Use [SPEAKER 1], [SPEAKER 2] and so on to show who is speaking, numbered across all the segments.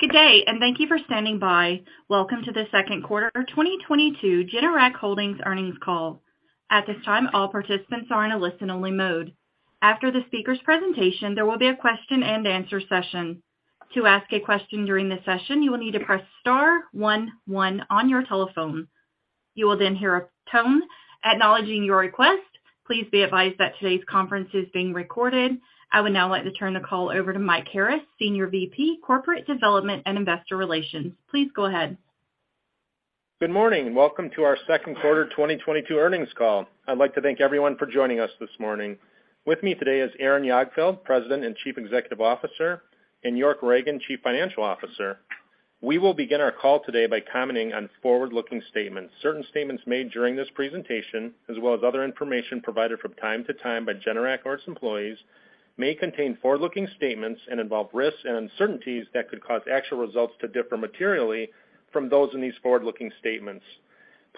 [SPEAKER 1] Good day, and thank you for standing by. Welcome to the Second Quarter 2022 Generac Holdings Earnings Call. At this time, all participants are in a listen-only mode. After the speaker's presentation, there will be a Q&A session. To ask a question during this session, you will need to press star one one on your telephone. You will then hear a tone acknowledging your request. Please be advised that today's conference is being recorded. I would now like to turn the call over to Mike Harris, Senior Vice President, Corporate Development and Investor Relations. Please go ahead.
[SPEAKER 2] Good morning. Welcome to our second quarter 2022 earnings call. I'd like to thank everyone for joining us this morning. With me today is Aaron Jagdfeld, President and Chief Executive Officer, and York Ragen, Chief Financial Officer. We will begin our call today by commenting on forward-looking statements. Certain statements made during this presentation, as well as other information provided from time to time by Generac or its employees, may contain forward-looking statements and involve risks and uncertainties that could cause actual results to differ materially from those in these forward-looking statements.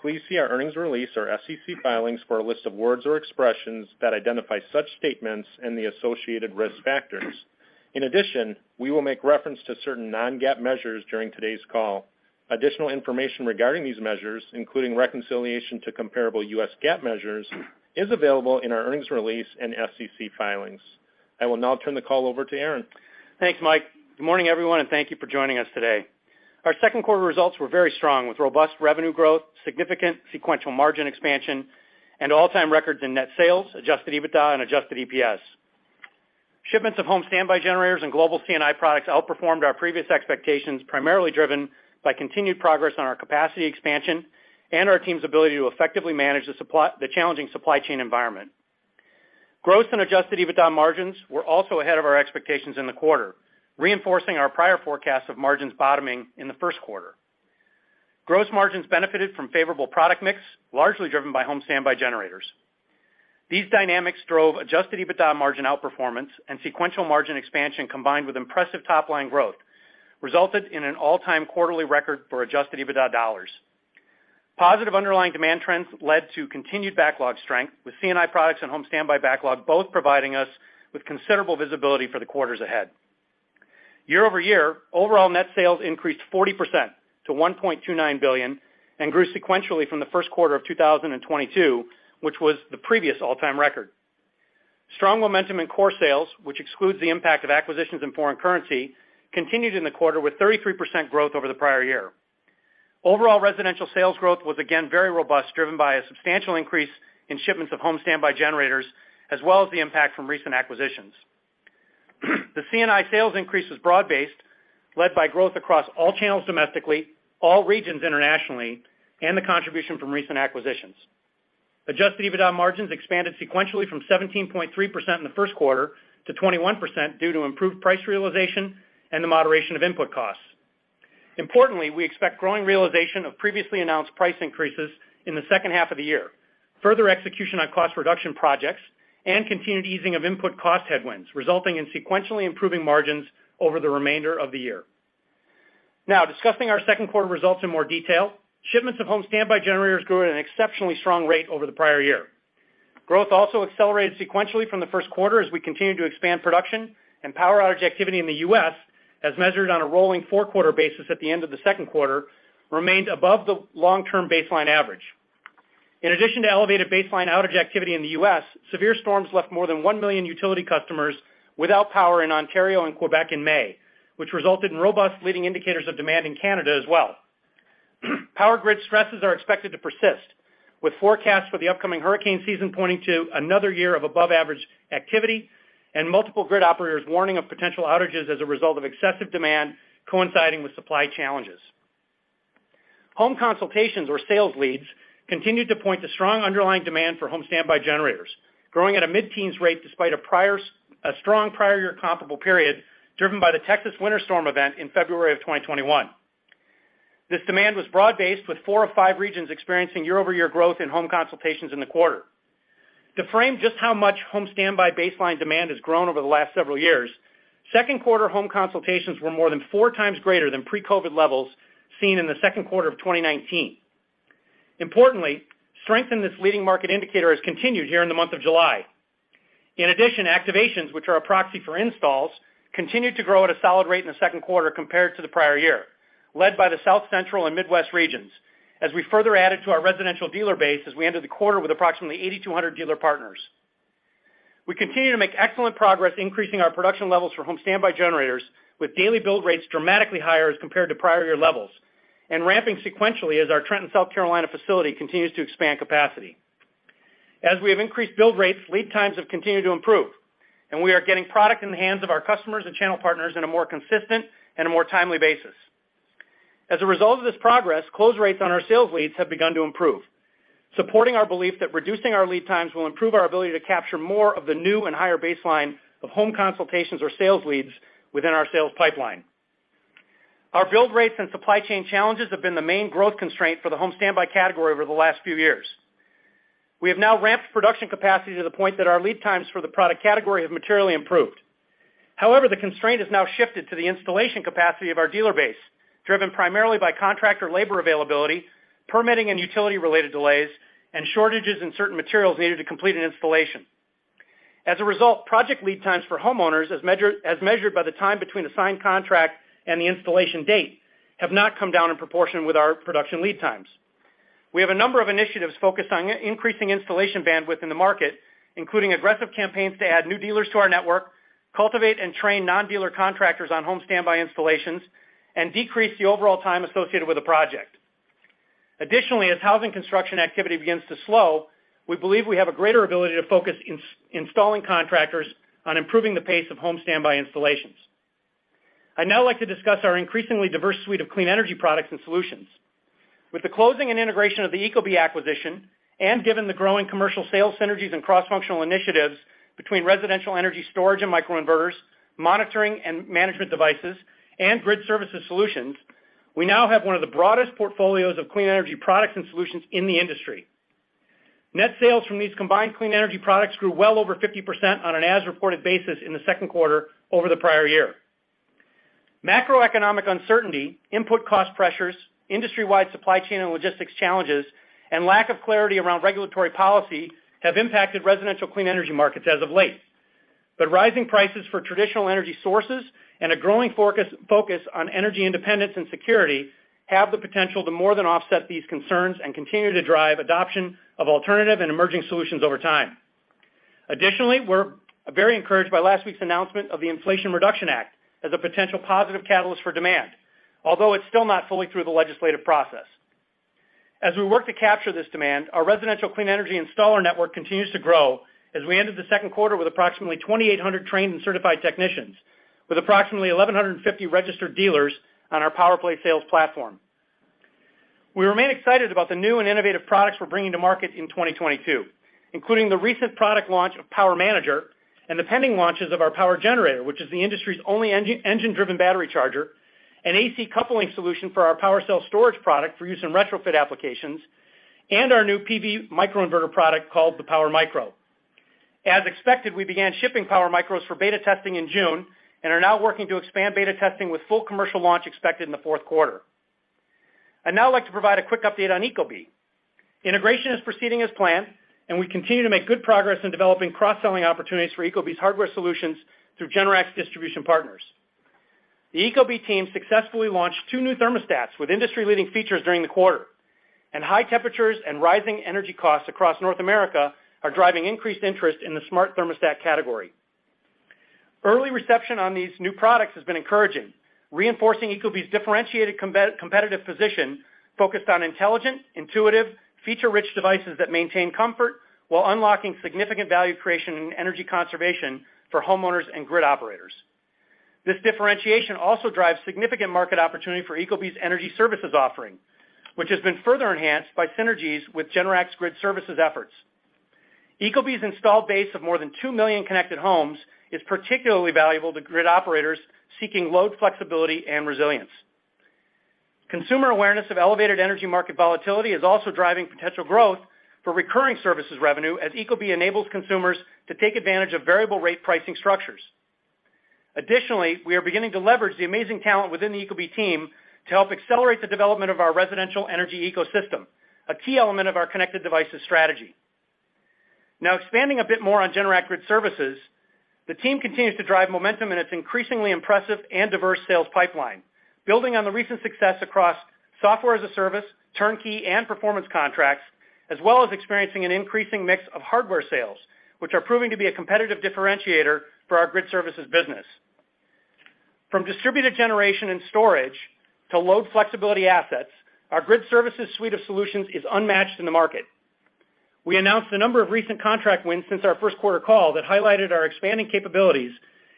[SPEAKER 2] Please see our earnings release or SEC filings for a list of words or expressions that identify such statements and the associated risk factors. In addition, we will make reference to certain non-GAAP measures during today's call. Additional information regarding these measures, including reconciliation to comparable U.S. GAAP measures, is available in our earnings release and SEC filings. I will now turn the call over to Aaron.
[SPEAKER 3] Thanks, Mike. Good morning, everyone, and thank you for joining us today. Our second quarter results were very strong with robust revenue growth, significant sequential margin expansion, and all-time records in net sales, adjusted EBITDA and adjusted EPS. Shipments of home standby generators and global C&I products outperformed our previous expectations, primarily driven by continued progress on our capacity expansion and our team's ability to effectively manage the challenging supply chain environment. Growth and adjusted EBITDA margins were also ahead of our expectations in the quarter, reinforcing our prior forecast of margins bottoming in the first quarter. Gross margins benefited from favorable product mix, largely driven by home standby generators. These dynamics drove adjusted EBITDA margin outperformance and sequential margin expansion combined with impressive top-line growth resulted in an all-time quarterly record for adjusted EBITDA dollars. Positive underlying demand trends led to continued backlog strength with C&I products and home standby backlog both providing us with considerable visibility for the quarters ahead. Year-over-year, overall net sales increased 40% to $1.29 billion and grew sequentially from the first quarter of 2022, which was the previous all-time record. Strong momentum in core sales, which excludes the impact of acquisitions in foreign currency, continued in the quarter with 33% growth over the prior year. Overall residential sales growth was again very robust, driven by a substantial increase in shipments of home standby generators as well as the impact from recent acquisitions. The C&I sales increase is broad-based, led by growth across all channels domestically, all regions internationally, and the contribution from recent acquisitions. Adjusted EBITDA margins expanded sequentially from 17.3% in the first quarter to 21% due to improved price realization and the moderation of input costs. Importantly, we expect growing realization of previously announced price increases in the second half of the year, further execution on cost reduction projects, and continued easing of input cost headwinds, resulting in sequentially improving margins over the remainder of the year. Now, discussing our second quarter results in more detail. Shipments of home standby generators grew at an exceptionally strong rate over the prior year. Growth also accelerated sequentially from the first quarter as we continued to expand production, and power outage activity in the U.S., as measured on a rolling four-quarter basis, at the end of the second quarter remained above the long-term baseline average. In addition to elevated baseline outage activity in the U.S., severe storms left more than 1 million utility customers without power in Ontario and Quebec in May, which resulted in robust leading indicators of demand in Canada as well. Power grid stresses are expected to persist, with forecasts for the upcoming hurricane season pointing to another year of above-average activity and multiple grid operators warning of potential outages as a result of excessive demand coinciding with supply challenges. Home consultations or sales leads continued to point to strong underlying demand for home standby generators, growing at a mid-teens rate despite a strong prior year comparable period driven by the Texas winter storm event in February of 2021. This demand was broad-based, with four of five regions experiencing year-over-year growth in home consultations in the quarter. To frame just how much home standby baseline demand has grown over the last several years, second quarter home consultations were more than four times greater than pre-COVID levels seen in the second quarter of 2019. Importantly, strength in this leading market indicator has continued here in the month of July. In addition, activations, which are a proxy for installs, continued to grow at a solid rate in the second quarter compared to the prior year, led by the South Central and Midwest regions as we further added to our residential dealer base as we ended the quarter with approximately 8,200 dealer partners. We continue to make excellent progress increasing our production levels for home standby generators with daily build rates dramatically higher as compared to prior year levels and ramping sequentially as our Trenton, South Carolina facility continues to expand capacity. As we have increased build rates, lead times have continued to improve, and we are getting product in the hands of our customers and channel partners in a more consistent and a more timely basis. As a result of this progress, close rates on our sales leads have begun to improve, supporting our belief that reducing our lead times will improve our ability to capture more of the new and higher baseline of home consultations or sales leads within our sales pipeline. Our build rates and supply chain challenges have been the main growth constraint for the home standby category over the last few years. We have now ramped production capacity to the point that our lead times for the product category have materially improved. However, the constraint has now shifted to the installation capacity of our dealer base, driven primarily by contractor labor availability, permitting and utility-related delays, and shortages in certain materials needed to complete an installation. As a result, project lead times for homeowners as measured by the time between the signed contract and the installation date have not come down in proportion with our production lead times. We have a number of initiatives focused on increasing installation bandwidth in the market, including aggressive campaigns to add new dealers to our network, cultivate and train non-dealer contractors on home standby installations, and decrease the overall time associated with a project. Additionally, as housing construction activity begins to slow, we believe we have a greater ability to focus installing contractors on improving the pace of home standby installations. I'd now like to discuss our increasingly diverse suite of clean energy products and solutions. With the closing and integration of the ecobee acquisition, and given the growing commercial sales synergies and cross-functional initiatives between residential energy storage and microinverters, monitoring and management devices, and grid services solutions, we now have one of the broadest portfolios of clean energy products and solutions in the industry. Net sales from these combined clean energy products grew well over 50% on an as-reported basis in the second quarter over the prior year. Macroeconomic uncertainty, input cost pressures, industry-wide supply chain and logistics challenges, and lack of clarity around regulatory policy have impacted residential clean energy markets as of late. Rising prices for traditional energy sources and a growing focus on energy independence and security have the potential to more than offset these concerns and continue to drive adoption of alternative and emerging solutions over time. Additionally, we're very encouraged by last week's announcement of the Inflation Reduction Act as a potential positive catalyst for demand, although it's still not fully through the legislative process. As we work to capture this demand, our residential clean energy installer network continues to grow as we ended the second quarter with approximately 2,800 trained and certified technicians with approximately 1,150 registered dealers on our PowerPlay sales platform. We remain excited about the new and innovative products we're bringing to market in 2022, including the recent product launch of PWRmanager and the pending launches of our PWRgenerator, which is the industry's only engine-driven battery charger, an AC coupling solution for our PWRcell storage product for use in retrofit applications, and our new PV microinverter product called the PWRmicro. As expected, we began shipping PWRmicros for beta testing in June and are now working to expand beta testing with full commercial launch expected in the fourth quarter. I'd now like to provide a quick update on ecobee. Integration is proceeding as planned, and we continue to make good progress in developing cross-selling opportunities for ecobee's hardware solutions through Generac's distribution partners. The ecobee team successfully launched two new thermostats with industry-leading features during the quarter, and high temperatures and rising energy costs across North America are driving increased interest in the smart thermostat category. Early reception on these new products has been encouraging, reinforcing ecobee's differentiated competitive position focused on intelligent, intuitive, feature-rich devices that maintain comfort while unlocking significant value creation and energy conservation for homeowners and grid operators. This differentiation also drives significant market opportunity for ecobee's energy services offering, which has been further enhanced by synergies with Generac's grid services efforts. ecobee's installed base of more than two million connected homes is particularly valuable to grid operators seeking load flexibility and resilience. Consumer awareness of elevated energy market volatility is also driving potential growth for recurring services revenue as ecobee enables consumers to take advantage of variable rate pricing structures. Additionally, we are beginning to leverage the amazing talent within the ecobee team to help accelerate the development of our residential energy ecosystem, a key element of our connected devices strategy. Now expanding a bit more on Generac grid services, the team continues to drive momentum in its increasingly impressive and diverse sales pipeline, building on the recent success across software as a service, turnkey, and performance contracts, as well as experiencing an increasing mix of hardware sales, which are proving to be a competitive differentiator for our grid services business. From distributed generation and storage to load flexibility assets, our grid services suite of solutions is unmatched in the market. We announced a number of recent contract wins since our first quarter call that highlighted our expanding capabilities,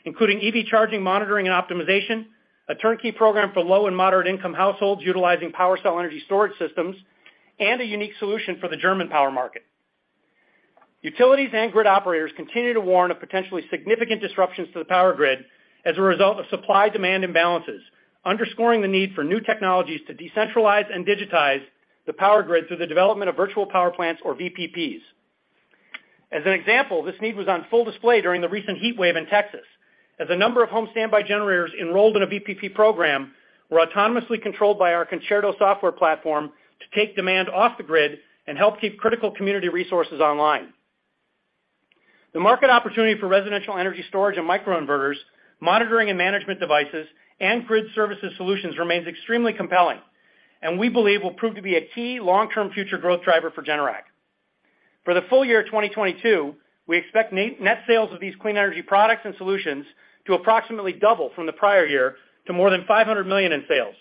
[SPEAKER 3] including EV charging, monitoring, and optimization, a turnkey program for low and moderate-income households utilizing PWRcell energy storage systems, and a unique solution for the German power market. Utilities and grid operators continue to warn of potentially significant disruptions to the power grid as a result of supply-demand imbalances, underscoring the need for new technologies to decentralize and digitize the power grid through the development of virtual power plants or VPPs. As an example, this need was on full display during the recent heat wave in Texas, as a number of home standby generators enrolled in a VPP program were autonomously controlled by our Concerto software platform to take demand off the grid and help keep critical community resources online. The market opportunity for residential energy storage and microinverters, monitoring and management devices, and grid services solutions remains extremely compelling and we believe will prove to be a key long-term future growth driver for Generac. For the full year 2022, we expect net sales of these clean energy products and solutions to approximately double from the prior year to more than $500 million in sales,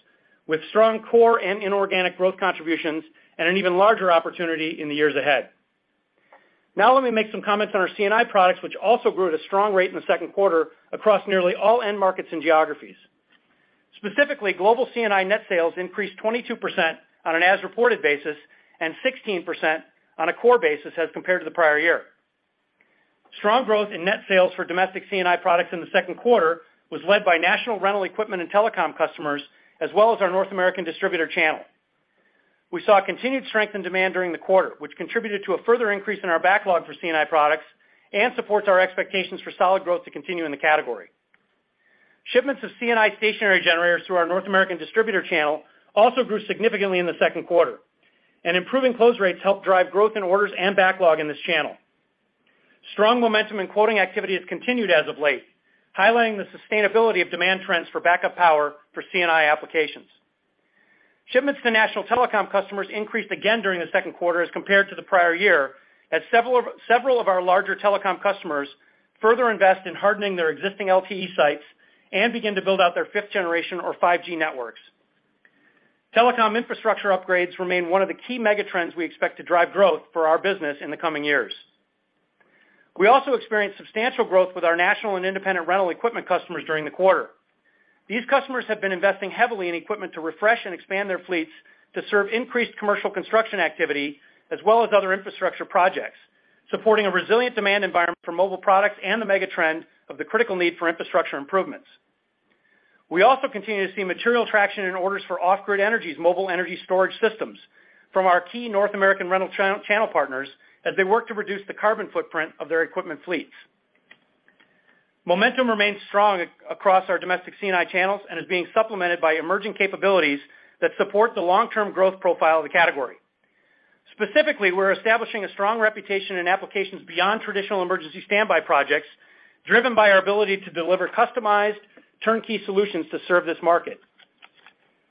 [SPEAKER 3] with strong core and inorganic growth contributions and an even larger opportunity in the years ahead. Now let me make some comments on our C&I products, which also grew at a strong rate in the second quarter across nearly all end markets and geographies. Specifically, global C&I net sales increased 22% on an as-reported basis and 16% on a core basis as compared to the prior year. Strong growth in net sales for domestic C&I products in the second quarter was led by national rental equipment and telecom customers, as well as our North American distributor channel. We saw continued strength in demand during the quarter, which contributed to a further increase in our backlog for C&I products and supports our expectations for solid growth to continue in the category. Shipments of C&I stationary generators through our North American distributor channel also grew significantly in the second quarter, and improving close rates helped drive growth in orders and backlog in this channel. Strong momentum in quoting activity has continued as of late, highlighting the sustainability of demand trends for backup power for C&I applications. Shipments to national telecom customers increased again during the second quarter as compared to the prior year, as several of our larger telecom customers further invest in hardening their existing LTE sites and begin to build out their fifth generation or 5G networks. Telecom infrastructure upgrades remain one of the key mega trends we expect to drive growth for our business in the coming years. We also experienced substantial growth with our national and independent rental equipment customers during the quarter. These customers have been investing heavily in equipment to refresh and expand their fleets to serve increased commercial construction activity as well as other infrastructure projects, supporting a resilient demand environment for mobile products and the mega trend of the critical need for infrastructure improvements. We also continue to see material traction in orders for Off Grid Energy's mobile energy storage systems from our key North American rental channel partners as they work to reduce the carbon footprint of their equipment fleets. Momentum remains strong across our domestic C&I channels and is being supplemented by emerging capabilities that support the long-term growth profile of the category. Specifically, we're establishing a strong reputation in applications beyond traditional emergency standby projects, driven by our ability to deliver customized turnkey solutions to serve this market.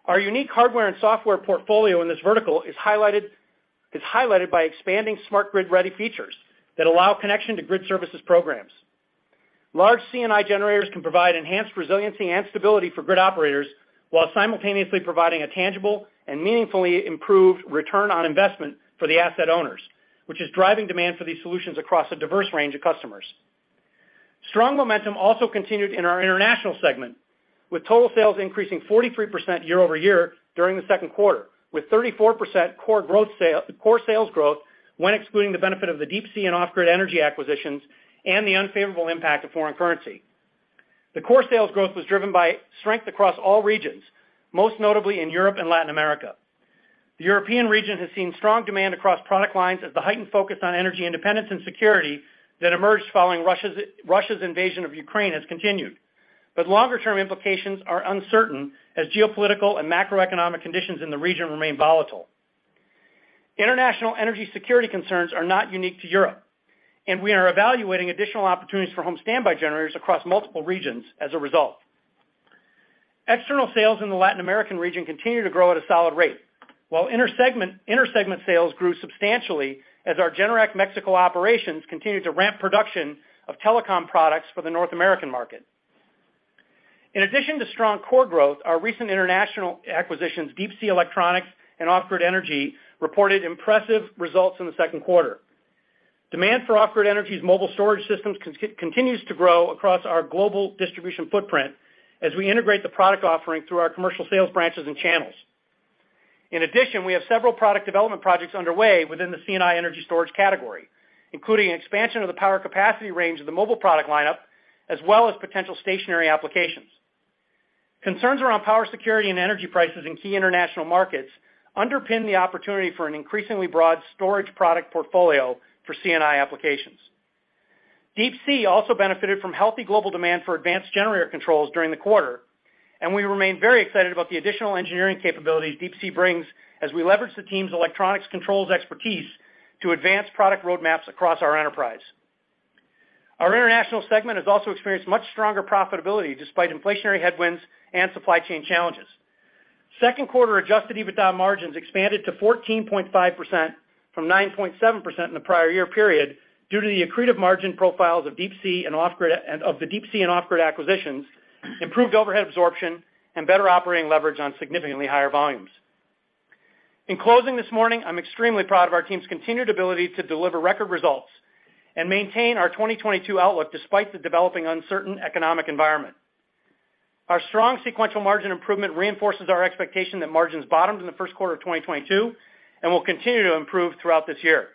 [SPEAKER 3] Our unique hardware and software portfolio in this vertical is highlighted by expanding smart grid-ready features that allow connection to grid services programs. Large C&I generators can provide enhanced resiliency and stability for grid operators while simultaneously providing a tangible and meaningfully improved return on investment for the asset owners, which is driving demand for these solutions across a diverse range of customers. Strong momentum also continued in our international segment, with total sales increasing 43% year-over-year during the second quarter, with 34% core sales growth when excluding the benefit of the Deep Sea and Off Grid Energy acquisitions and the unfavorable impact of foreign currency. The core sales growth was driven by strength across all regions, most notably in Europe and Latin America. The European region has seen strong demand across product lines as the heightened focus on energy independence and security that emerged following Russia's invasion of Ukraine has continued. Longer term implications are uncertain as geopolitical and macroeconomic conditions in the region remain volatile. International energy security concerns are not unique to Europe, and we are evaluating additional opportunities for home standby generators across multiple regions as a result. External sales in the Latin American region continue to grow at a solid rate, while intersegment sales grew substantially as our Generac México operations continued to ramp production of telecom products for the North American market. In addition to strong core growth, our recent international acquisitions, Deep Sea Electronics and Off Grid Energy, reported impressive results in the second quarter. Demand for Off Grid Energy's mobile storage systems continues to grow across our global distribution footprint as we integrate the product offering through our commercial sales branches and channels. In addition, we have several product development projects underway within the C&I energy storage category, including an expansion of the power capacity range of the mobile product lineup, as well as potential stationary applications. Concerns around power security and energy prices in key international markets underpin the opportunity for an increasingly broad storage product portfolio for C&I applications. Deep Sea also benefited from healthy global demand for advanced generator controls during the quarter, and we remain very excited about the additional engineering capabilities Deep Sea brings as we leverage the team's electronics controls expertise to advance product roadmaps across our enterprise. Our international segment has also experienced much stronger profitability despite inflationary headwinds and supply chain challenges. Second quarter adjusted EBITDA margins expanded to 14.5% from 9.7% in the prior year period due to the accretive margin profiles of the Deep Sea and Off Grid acquisitions, improved overhead absorption, and better operating leverage on significantly higher volumes. In closing this morning, I'm extremely proud of our team's continued ability to deliver record results and maintain our 2022 outlook despite the developing uncertain economic environment. Our strong sequential margin improvement reinforces our expectation that margins bottomed in the first quarter of 2022 and will continue to improve throughout this year.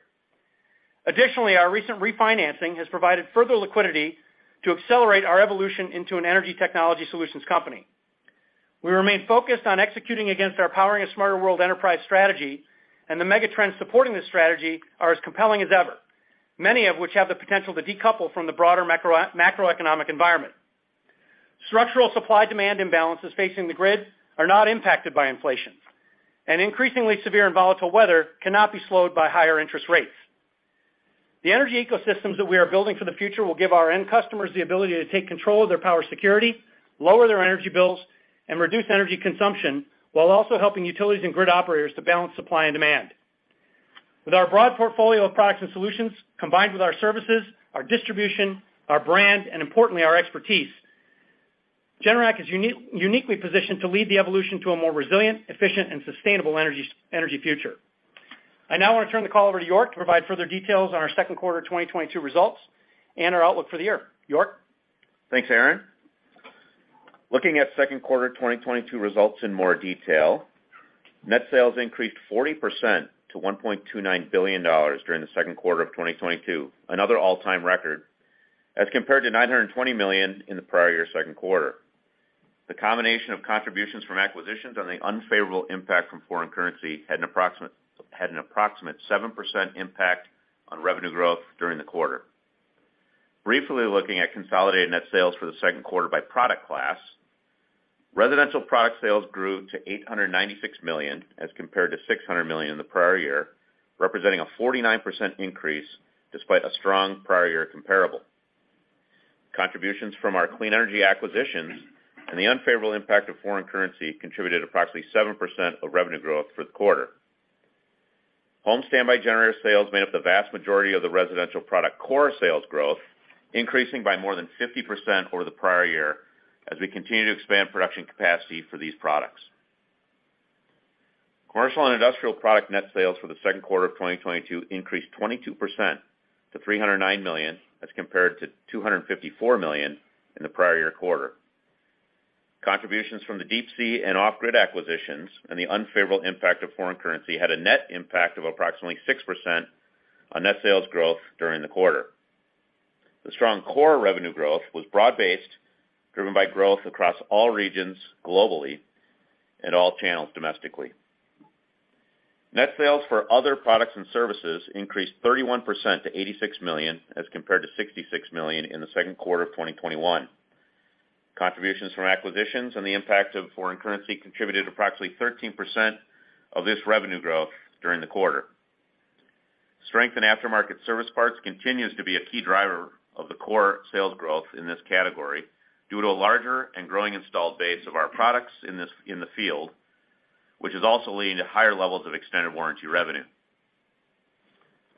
[SPEAKER 3] Additionally, our recent refinancing has provided further liquidity to accelerate our evolution into an energy technology solutions company. We remain focused on executing against our Powering a Smarter World enterprise strategy, and the mega trends supporting this strategy are as compelling as ever, many of which have the potential to decouple from the broader macroeconomic environment. Structural supply-demand imbalances facing the grid are not impacted by inflation, and increasingly severe and volatile weather cannot be slowed by higher interest rates. The energy ecosystems that we are building for the future will give our end customers the ability to take control of their power security, lower their energy bills, and reduce energy consumption while also helping utilities and grid operators to balance supply and demand. With our broad portfolio of products and solutions, combined with our services, our distribution, our brand, and importantly, our expertise, Generac is uniquely positioned to lead the evolution to a more resilient, efficient, and sustainable energy future. I now want to turn the call over to York to provide further details on our second quarter 2022 results and our outlook for the year. York?
[SPEAKER 4] Thanks, Aaron. Looking at second quarter 2022 results in more detail, net sales increased 40% to $1.29 billion during the second quarter of 2022, another all-time record, as compared to $920 million in the prior year second quarter. The combination of contributions from acquisitions and the unfavorable impact from foreign currency had an approximate 7% impact on revenue growth during the quarter. Briefly looking at consolidated net sales for the second quarter by product class, residential product sales grew to $896 million as compared to $600 million in the prior year, representing a 49% increase despite a strong prior year comparable. Contributions from our clean energy acquisitions and the unfavorable impact of foreign currency contributed approximately 7% of revenue growth for the quarter. Home standby generator sales made up the vast majority of the residential product core sales growth, increasing by more than 50% over the prior year as we continue to expand production capacity for these products. Commercial and industrial product net sales for the second quarter of 2022 increased 22% to $309 million, as compared to $254 million in the prior year quarter. Contributions from the Deep Sea and Off Grid acquisitions and the unfavorable impact of foreign currency had a net impact of approximately 6% on net sales growth during the quarter. The strong core revenue growth was broad-based, driven by growth across all regions globally and all channels domestically. Net sales for other products and services increased 31% to $86 million, as compared to $66 million in the second quarter of 2021. Contributions from acquisitions and the impact of foreign currency contributed approximately 13% of this revenue growth during the quarter. Strength in aftermarket service parts continues to be a key driver of the core sales growth in this category due to a larger and growing installed base of our products in the field, which is also leading to higher levels of extended warranty revenue.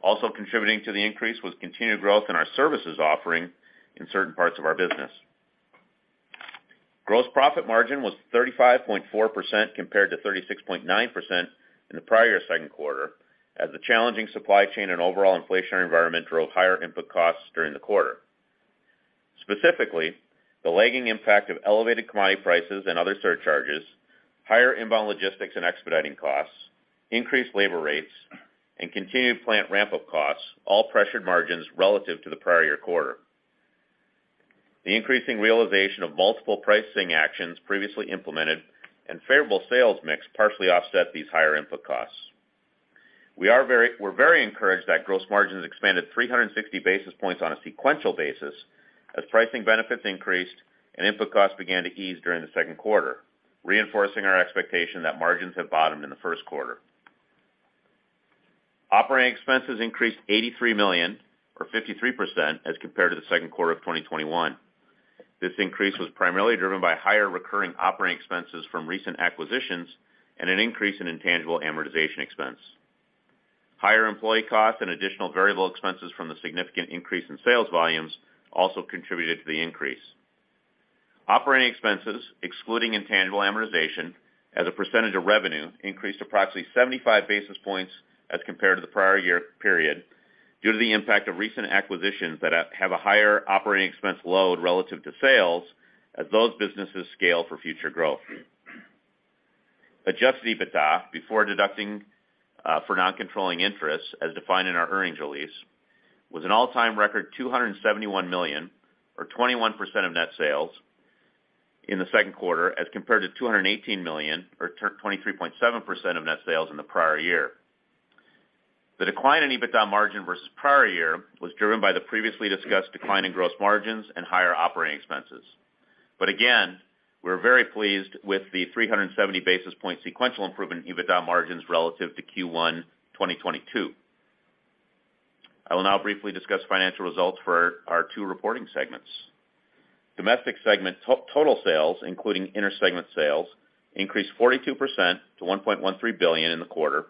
[SPEAKER 4] Also contributing to the increase was continued growth in our services offering in certain parts of our business. Gross profit margin was 35.4% compared to 36.9% in the prior second quarter, as the challenging supply chain and overall inflationary environment drove higher input costs during the quarter. Specifically, the lagging impact of elevated commodity prices and other surcharges, higher inbound logistics and expediting costs, increased labor rates, and continued plant ramp-up costs, all pressured margins relative to the prior year quarter. The increasing realization of multiple pricing actions previously implemented and favorable sales mix partially offset these higher input costs. We're very encouraged that gross margins expanded 360 basis points on a sequential basis as pricing benefits increased and input costs began to ease during the second quarter, reinforcing our expectation that margins have bottomed in the first quarter. Operating expenses increased $83 million, or 53%, as compared to the second quarter of 2021. This increase was primarily driven by higher recurring operating expenses from recent acquisitions and an increase in intangible amortization expense. Higher employee costs and additional variable expenses from the significant increase in sales volumes also contributed to the increase. Operating expenses, excluding intangible amortization as a percentage of revenue, increased approximately 75 basis points as compared to the prior year period due to the impact of recent acquisitions that have a higher operating expense load relative to sales as those businesses scale for future growth. Adjusted EBITDA, before deducting for non-controlling interests as defined in our earnings release, was an all-time record $271 million, or 21% of net sales in the second quarter as compared to $218 million or 23.7% of net sales in the prior year. The decline in EBITDA margin versus prior year was driven by the previously discussed decline in gross margins and higher operating expenses. Again, we're very pleased with the 370 basis point sequential improvement in EBITDA margins relative to Q1 2022. I will now briefly discuss financial results for our two reporting segments. Domestic segment total sales, including inter-segment sales, increased 42% to $1.13 billion in the quarter,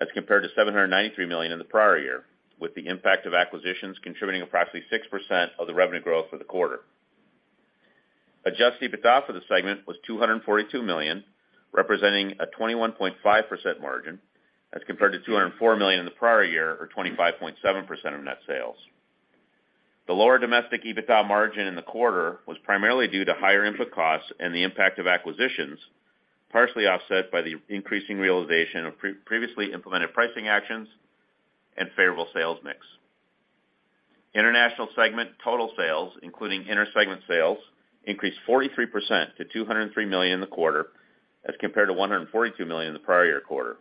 [SPEAKER 4] as compared to $793 million in the prior year, with the impact of acquisitions contributing approximately 6% of the revenue growth for the quarter. Adjusted EBITDA for the segment was $242 million, representing a 21.5% margin, as compared to $204 million in the prior year or 25.7% of net sales. The lower domestic EBITDA margin in the quarter was primarily due to higher input costs and the impact of acquisitions, partially offset by the increasing realization of previously implemented pricing actions and favorable sales mix. International segment total sales, including inter-segment sales, increased 43% to $203 million in the quarter as compared to $142 million in the prior year quarter.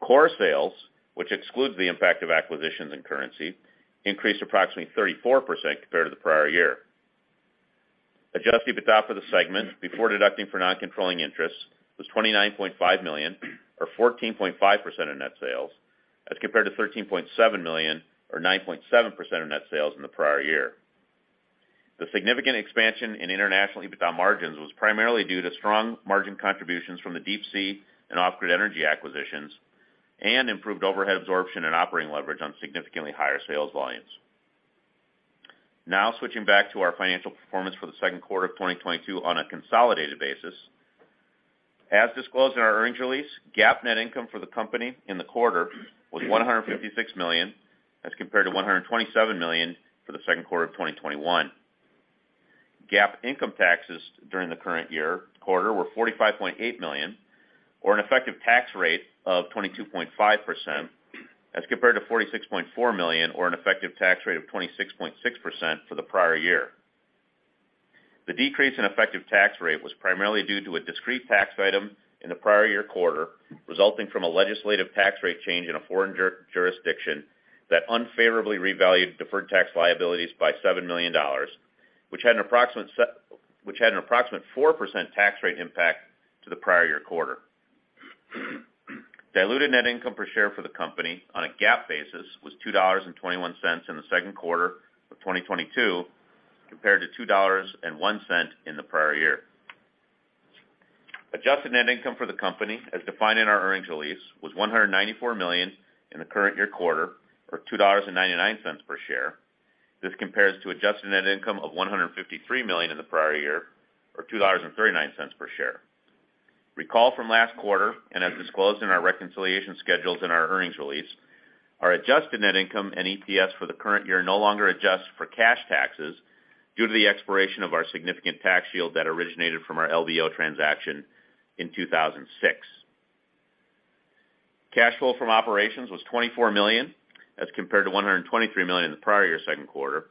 [SPEAKER 4] Core sales, which excludes the impact of acquisitions and currency, increased approximately 34% compared to the prior year. Adjusted EBITDA for the segment before deducting for non-controlling interests was $29.5 million or 14.5% of net sales, as compared to $13.7 million or 9.7% of net sales in the prior year. The significant expansion in international EBITDA margins was primarily due to strong margin contributions from the Deep Sea and Off Grid Energy acquisitions and improved overhead absorption and operating leverage on significantly higher sales volumes. Now switching back to our financial performance for the second quarter of 2022 on a consolidated basis. As disclosed in our earnings release, GAAP net income for the company in the quarter was $156 million, as compared to $127 million for the second quarter of 2021. GAAP income taxes during the current year quarter were $45.8 million. Or an effective tax rate of 22.5% as compared to $46.4 million or an effective tax rate of 26.6% for the prior year. The decrease in effective tax rate was primarily due to a discrete tax item in the prior year quarter, resulting from a legislative tax rate change in a foreign jurisdiction that unfavorably revalued deferred tax liabilities by $7 million, which had an approximate 4% tax rate impact to the prior year quarter. Diluted net income per share for the company on a GAAP basis was $2.21 in the second quarter of 2022, compared to $2.01 in the prior year. Adjusted net income for the company, as defined in our earnings release, was $194 million in the current year quarter, or $2.99 per share. This compares to adjusted net income of $153 million in the prior year, or $2.39 per share. Recall from last quarter, and as disclosed in our reconciliation schedules in our earnings release, our adjusted net income and EPS for the current year no longer adjusts for cash taxes due to the expiration of our significant tax shield that originated from our LBO transaction in 2006. Cash flow from operations was $24 million, as compared to $123 million in the prior year second quarter,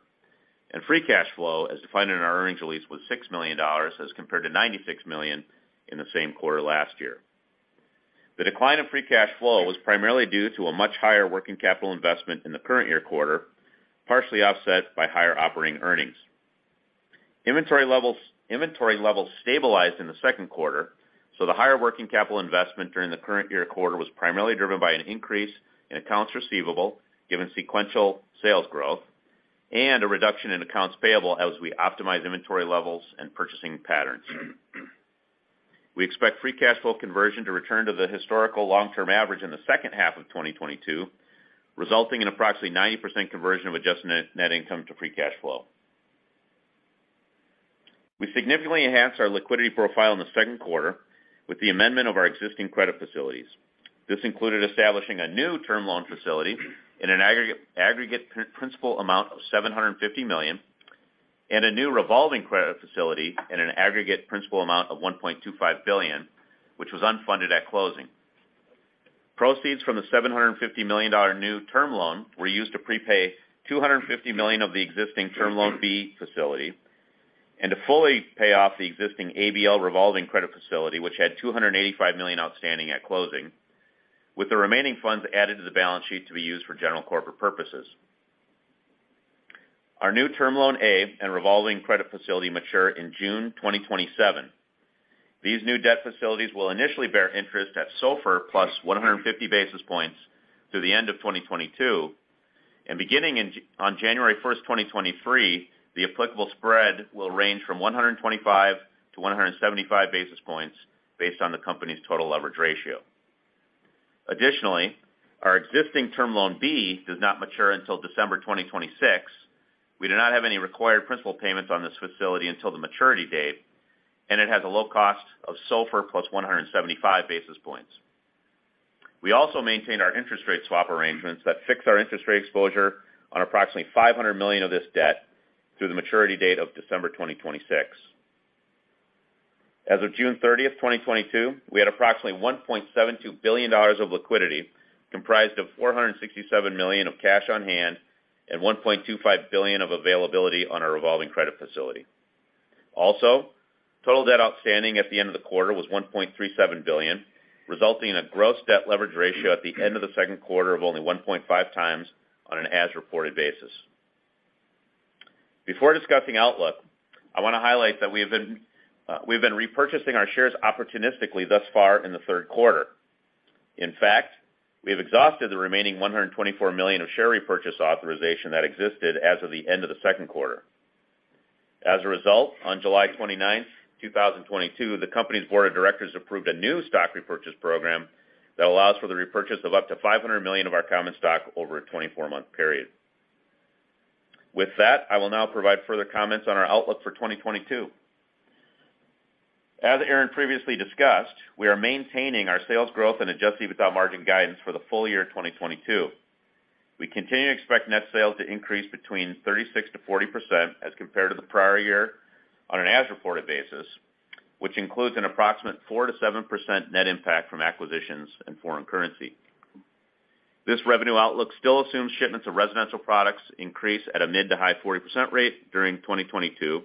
[SPEAKER 4] and free cash flow, as defined in our earnings release, was $6 million as compared to $96 million in the same quarter last year. The decline in free cash flow was primarily due to a much higher working capital investment in the current year quarter, partially offset by higher operating earnings. Inventory levels stabilized in the second quarter, so the higher working capital investment during the current year quarter was primarily driven by an increase in accounts receivable, given sequential sales growth, and a reduction in accounts payable as we optimize inventory levels and purchasing patterns. We expect free cash flow conversion to return to the historical long-term average in the second half of 2022, resulting in approximately 90% conversion of adjusted net income to free cash flow. We significantly enhanced our liquidity profile in the second quarter with the amendment of our existing credit facilities. This included establishing a new term loan facility in an aggregate principal amount of $750 million, and a new revolving credit facility in an aggregate principal amount of $1.25 billion, which was unfunded at closing. Proceeds from the $750 million new term loan were used to prepay $250 million of the existing Term Loan B facility and to fully pay off the existing ABL revolving credit facility, which had $285 million outstanding at closing, with the remaining funds added to the balance sheet to be used for general corporate purposes. Our new Term Loan A and revolving credit facility mature in June 2027. These new debt facilities will initially bear interest at SOFR plus 150 basis points through the end of 2022, and beginning on January 1, 2023, the applicable spread will range from 125-175 basis points based on the company's total leverage ratio. Additionally, our existing Term Loan B does not mature until December 2026. We do not have any required principal payments on this facility until the maturity date, and it has a low cost of SOFR plus 175 basis points. We also maintain our interest rate swap arrangements that fix our interest rate exposure on approximately $500 million of this debt through the maturity date of December 2026. As of June 30, 2022, we had approximately $1.72 billion of liquidity, comprised of $467 million of cash on hand and $1.25 billion of availability on our revolving credit facility. Also, total debt outstanding at the end of the quarter was $1.37 billion, resulting in a gross debt leverage ratio at the end of the second quarter of only 1.5 times on an as-reported basis. Before discussing outlook, I wanna highlight that we have been repurchasing our shares opportunistically thus far in the third quarter. In fact, we have exhausted the remaining $124 million of share repurchase authorization that existed as of the end of the second quarter. As a result, on July 29, 2022, the company's board of directors approved a new stock repurchase program that allows for the repurchase of up to $500 million of our common stock over a 24-month period. With that, I will now provide further comments on our outlook for 2022. As Aaron previously discussed, we are maintaining our sales growth and adjusted EBITDA margin guidance for the full year 2022. We continue to expect net sales to increase between 36%-40% as compared to the prior year on an as-reported basis, which includes an approximate 4%-7% net impact from acquisitions and foreign currency. This revenue outlook still assumes shipments of residential products increase at a mid- to high-40% rate during 2022,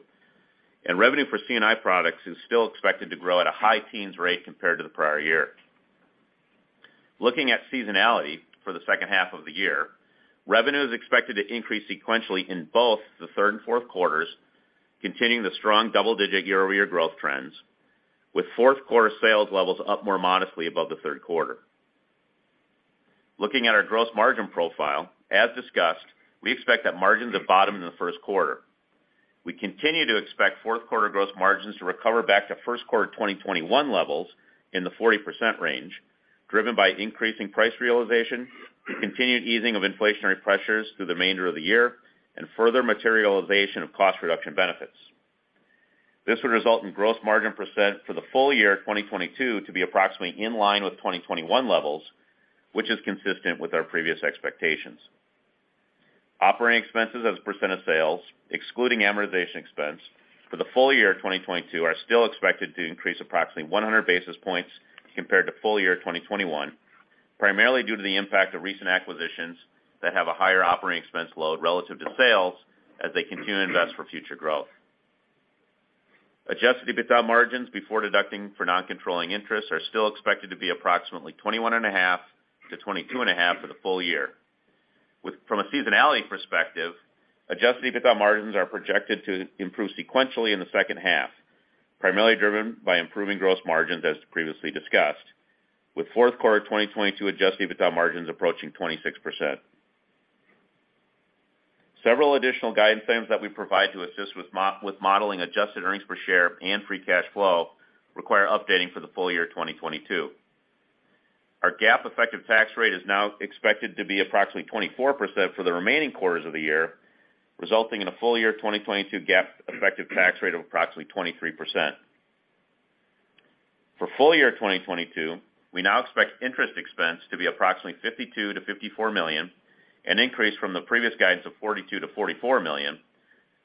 [SPEAKER 4] and revenue for C&I products is still expected to grow at a high-teens rate compared to the prior year. Looking at seasonality for the second half of the year, revenue is expected to increase sequentially in both the third and fourth quarters, continuing the strong double-digit year-over-year growth trends, with fourth quarter sales levels up more modestly above the third quarter. Looking at our gross margin profile, as discussed, we expect that margins have bottomed in the first quarter. We continue to expect fourth quarter gross margins to recover back to first quarter 2021 levels in the 40% range, driven by increasing price realization, the continued easing of inflationary pressures through the remainder of the year, and further materialization of cost reduction benefits. This would result in gross margin percent for the full year 2022 to be approximately in line with 2021 levels, which is consistent with our previous expectations. Operating expenses as a percent of sales, excluding amortization expense for the full year 2022 are still expected to increase approximately 100 basis points compared to full year 2021, primarily due to the impact of recent acquisitions that have a higher operating expense load relative to sales as they continue to invest for future growth. Adjusted EBITDA margins before deducting for non-controlling interests are still expected to be approximately 21.5%-22.5% for the full year. From a seasonality perspective, adjusted EBITDA margins are projected to improve sequentially in the second half, primarily driven by improving gross margins, as previously discussed, with fourth quarter 2022 adjusted EBITDA margins approaching 26%. Several additional guidance items that we provide to assist with modeling adjusted earnings per share and free cash flow require updating for the full year 2022. Our GAAP effective tax rate is now expected to be approximately 24% for the remaining quarters of the year, resulting in a full year 2022 GAAP effective tax rate of approximately 23%. For full year 2022, we now expect interest expense to be approximately $52 million-$54 million, an increase from the previous guidance of $42 million-$44 million,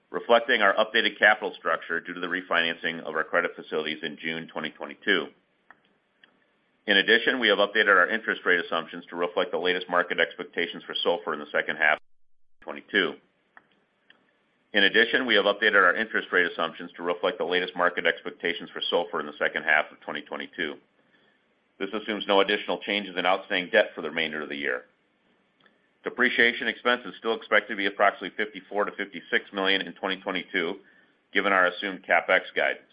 [SPEAKER 4] reflecting our updated capital structure due to the refinancing of our credit facilities in June 2022. In addition, we have updated our interest rate assumptions to reflect the latest market expectations for SOFR in the second half of 2022. This assumes no additional changes in outstanding debt for the remainder of the year. Depreciation expense is still expected to be approximately $54 million-$56 million in 2022, given our assumed CapEx guidance.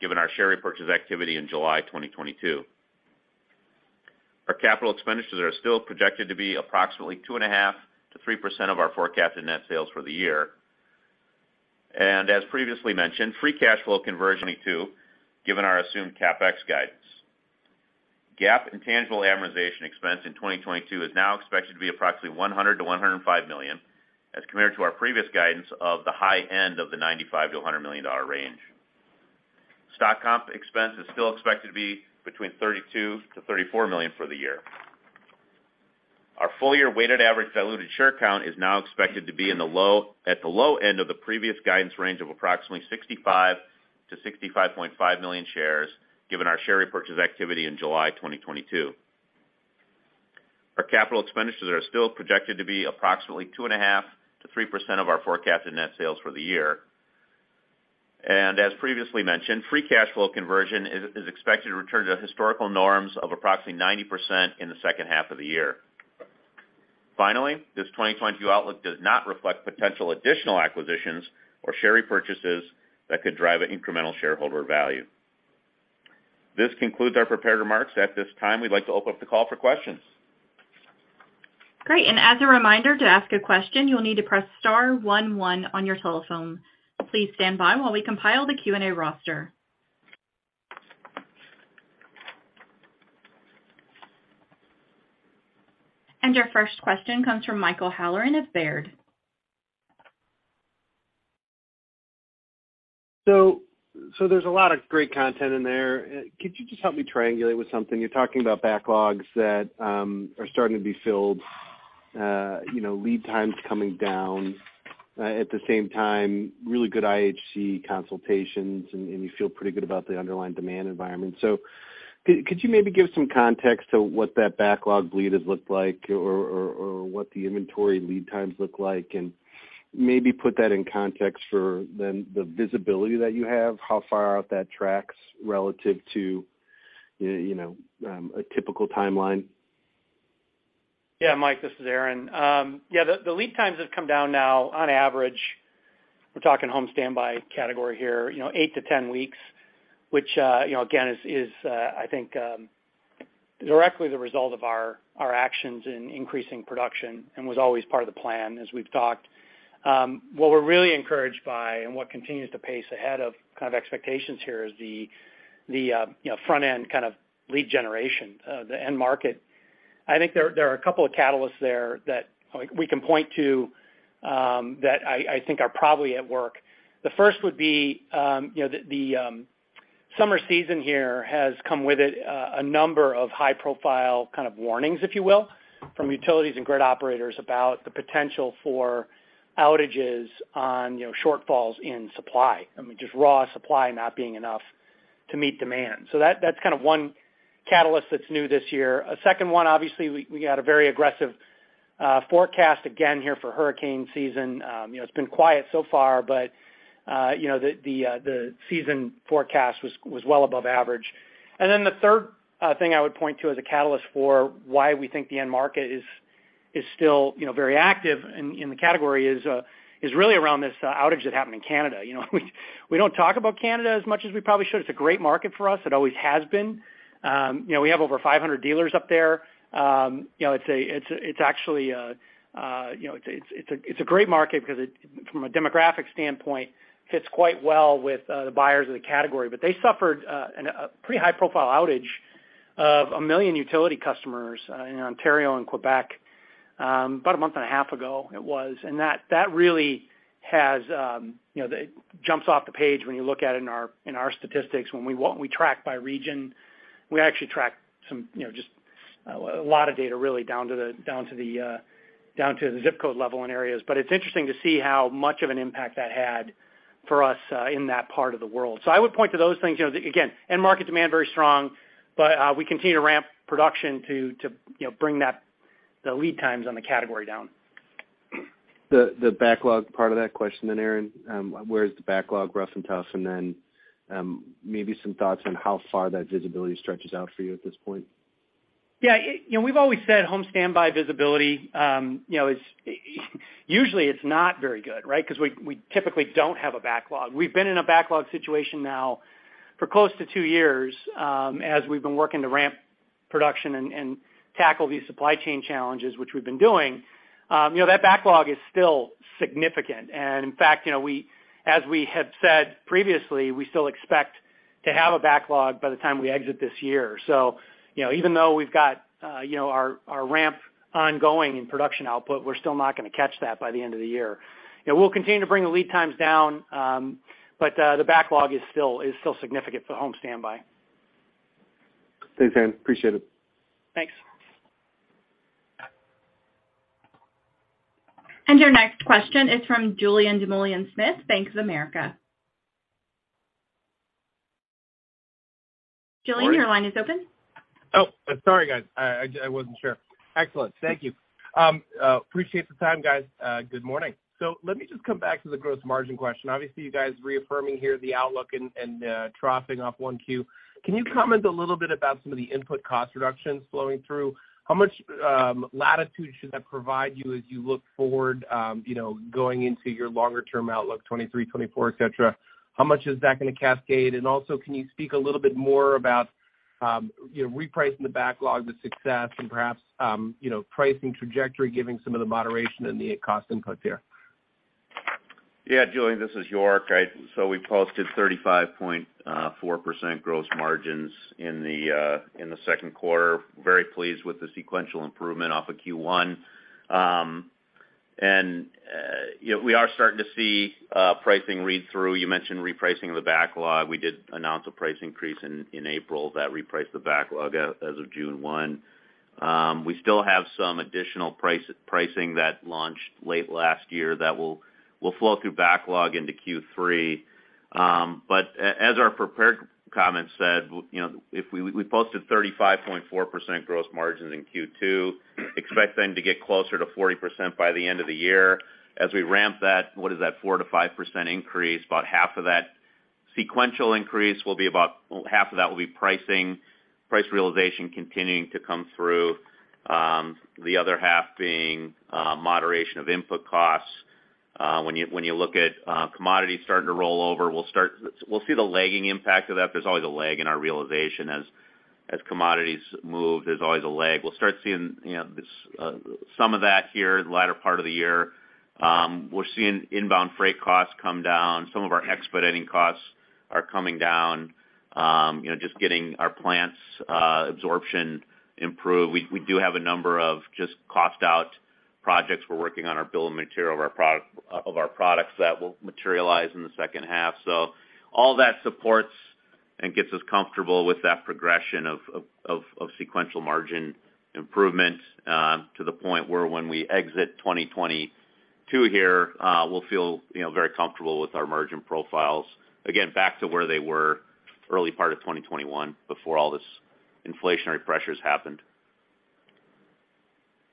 [SPEAKER 4] given our share repurchase activity in July 2022. Our capital expenditures are still projected to be approximately 2.5%-3% of our forecasted net sales for the year. As previously mentioned, free cash flow conversion is expected to return to historical norms of approximately 90% in the second half of the year. Finally, this 2022 outlook does not reflect potential additional acquisitions or share repurchases that could drive incremental shareholder value. This concludes our prepared remarks. At this time, we'd like to open up the call for questions.
[SPEAKER 1] Great. As a reminder, to ask a question, you'll need to press star one one on your telephone. Please stand by while we compile the Q&A roster. Your first question comes from Michael Halloran of Baird.
[SPEAKER 5] There's a lot of great content in there. Could you just help me triangulate with something? You're talking about backlogs that are starting to be filled, you know, lead times coming down. At the same time, really good IHC consultations and you feel pretty good about the underlying demand environment. Could you maybe give some context to what that backlog lead has looked like or what the inventory lead times look like? Maybe put that in context for then the visibility that you have, how far out that tracks relative to, you know, a typical timeline.
[SPEAKER 3] Yeah, Mike, this is Aaron. The lead times have come down now on average. We're talking home standby category here, you know, eight to 10 weeks, which, you know, again, is directly the result of our actions in increasing production and was always part of the plan as we've talked. What we're really encouraged by and what continues to pace ahead of kind of expectations here is the front-end kind of lead generation, the end market. I think there are a couple of catalysts there that, like, we can point to, that I think are probably at work. The first would be, you know, the summer season here has come with it, a number of high-profile kind of warnings, if you will, from utilities and grid operators about the potential for outages or, you know, shortfalls in supply. I mean, just raw supply not being enough to meet demand. That’s kind of one catalyst that’s new this year. A second one, obviously, we had a very aggressive forecast again here for hurricane season. You know, it’s been quiet so far, but, you know, the season forecast was well above average. Then the third thing I would point to as a catalyst for why we think the end market is It's still, you know, very active in the category is really around this outage that happened in Canada. You know, we don't talk about Canada as much as we probably should. It's a great market for us. It always has been. You know, we have over 500 dealers up there. You know, it's actually a great market because it, from a demographic standpoint, fits quite well with the buyers of the category. They suffered a pretty high profile outage of 1 million utility customers in Ontario and Quebec, about a month and a half ago it was. That really has, you know, that jumps off the page when you look at it in our statistics when we track by region. We actually track some, you know, just a lot of data really down to the ZIP code level in areas. But it's interesting to see how much of an impact that had for us in that part of the world. I would point to those things, you know, again, end market demand very strong, but we continue to ramp production to, you know, bring that, the lead times on the category down.
[SPEAKER 5] The backlog part of that question then, Aaron. Where's the backlog roughly? Maybe some thoughts on how far that visibility stretches out for you at this point.
[SPEAKER 3] Yeah, you know, we've always said home standby visibility, you know, is usually it's not very good, right? 'Cause we typically don't have a backlog. We've been in a backlog situation now for close to two years, as we've been working to ramp production and tackle these supply chain challenges, which we've been doing. You know, that backlog is still significant. In fact, you know, as we have said previously, we still expect to have a backlog by the time we exit this year. You know, even though we've got, you know, our ramp ongoing in production output, we're still not gonna catch that by the end of the year. You know, we'll continue to bring the lead times down, but the backlog is still significant for home standby.
[SPEAKER 5] Thanks, Aaron. Appreciate it.
[SPEAKER 3] Thanks.
[SPEAKER 1] Your next question is from Julien Dumoulin-Smith, Bank of America. Julian, your line is open.
[SPEAKER 6] Sorry guys. I wasn't sure. Excellent. Thank you. Appreciate the time, guys. Good morning. Let me just come back to the gross margin question. Obviously, you guys reaffirming here the outlook and troughing off Q1. Can you comment a little bit about some of the input cost reductions flowing through? How much latitude should that provide you as you look forward, you know, going into your longer term outlook, 2023, 2024, et cetera? How much is that gonna cascade? Also, can you speak a little bit more about, you know, repricing the backlog, the success, and perhaps, you know, pricing trajectory giving some of the moderation in the cost inputs here?
[SPEAKER 4] Julien, this is York. So we posted 35.4% gross margins in the second quarter. Very pleased with the sequential improvement off of Q1. You know, we are starting to see pricing read through. You mentioned repricing the backlog. We did announce a price increase in April that repriced the backlog as of June 1. We still have some additional pricing that launched late last year that will flow through backlog into Q3. But as our prepared comments said, you know, if we posted 35.4% gross margins in Q2, expecting to get closer to 40% by the end of the year. As we ramp that, what is that 4%-5% increase, about half of that sequential increase will be half of that will be pricing, price realization continuing to come through. The other half being moderation of input costs. When you look at commodities starting to roll over, we'll see the lagging impact of that. There's always a lag in our realization as commodities move, there's always a lag. We'll start seeing, you know, this some of that here the latter part of the year. We're seeing inbound freight costs come down. Some of our expediting costs are coming down. You know, just getting our plants' absorption improve. We do have a number of just cost out projects we're working on our bill of material of our products that will materialize in the second half. All that supports and gets us comfortable with that progression of sequential margin improvement to the point where when we exit 2022 here, we'll feel, you know, very comfortable with our margin profiles. Again, back to where they were early part of 2021 before all this inflationary pressures happened.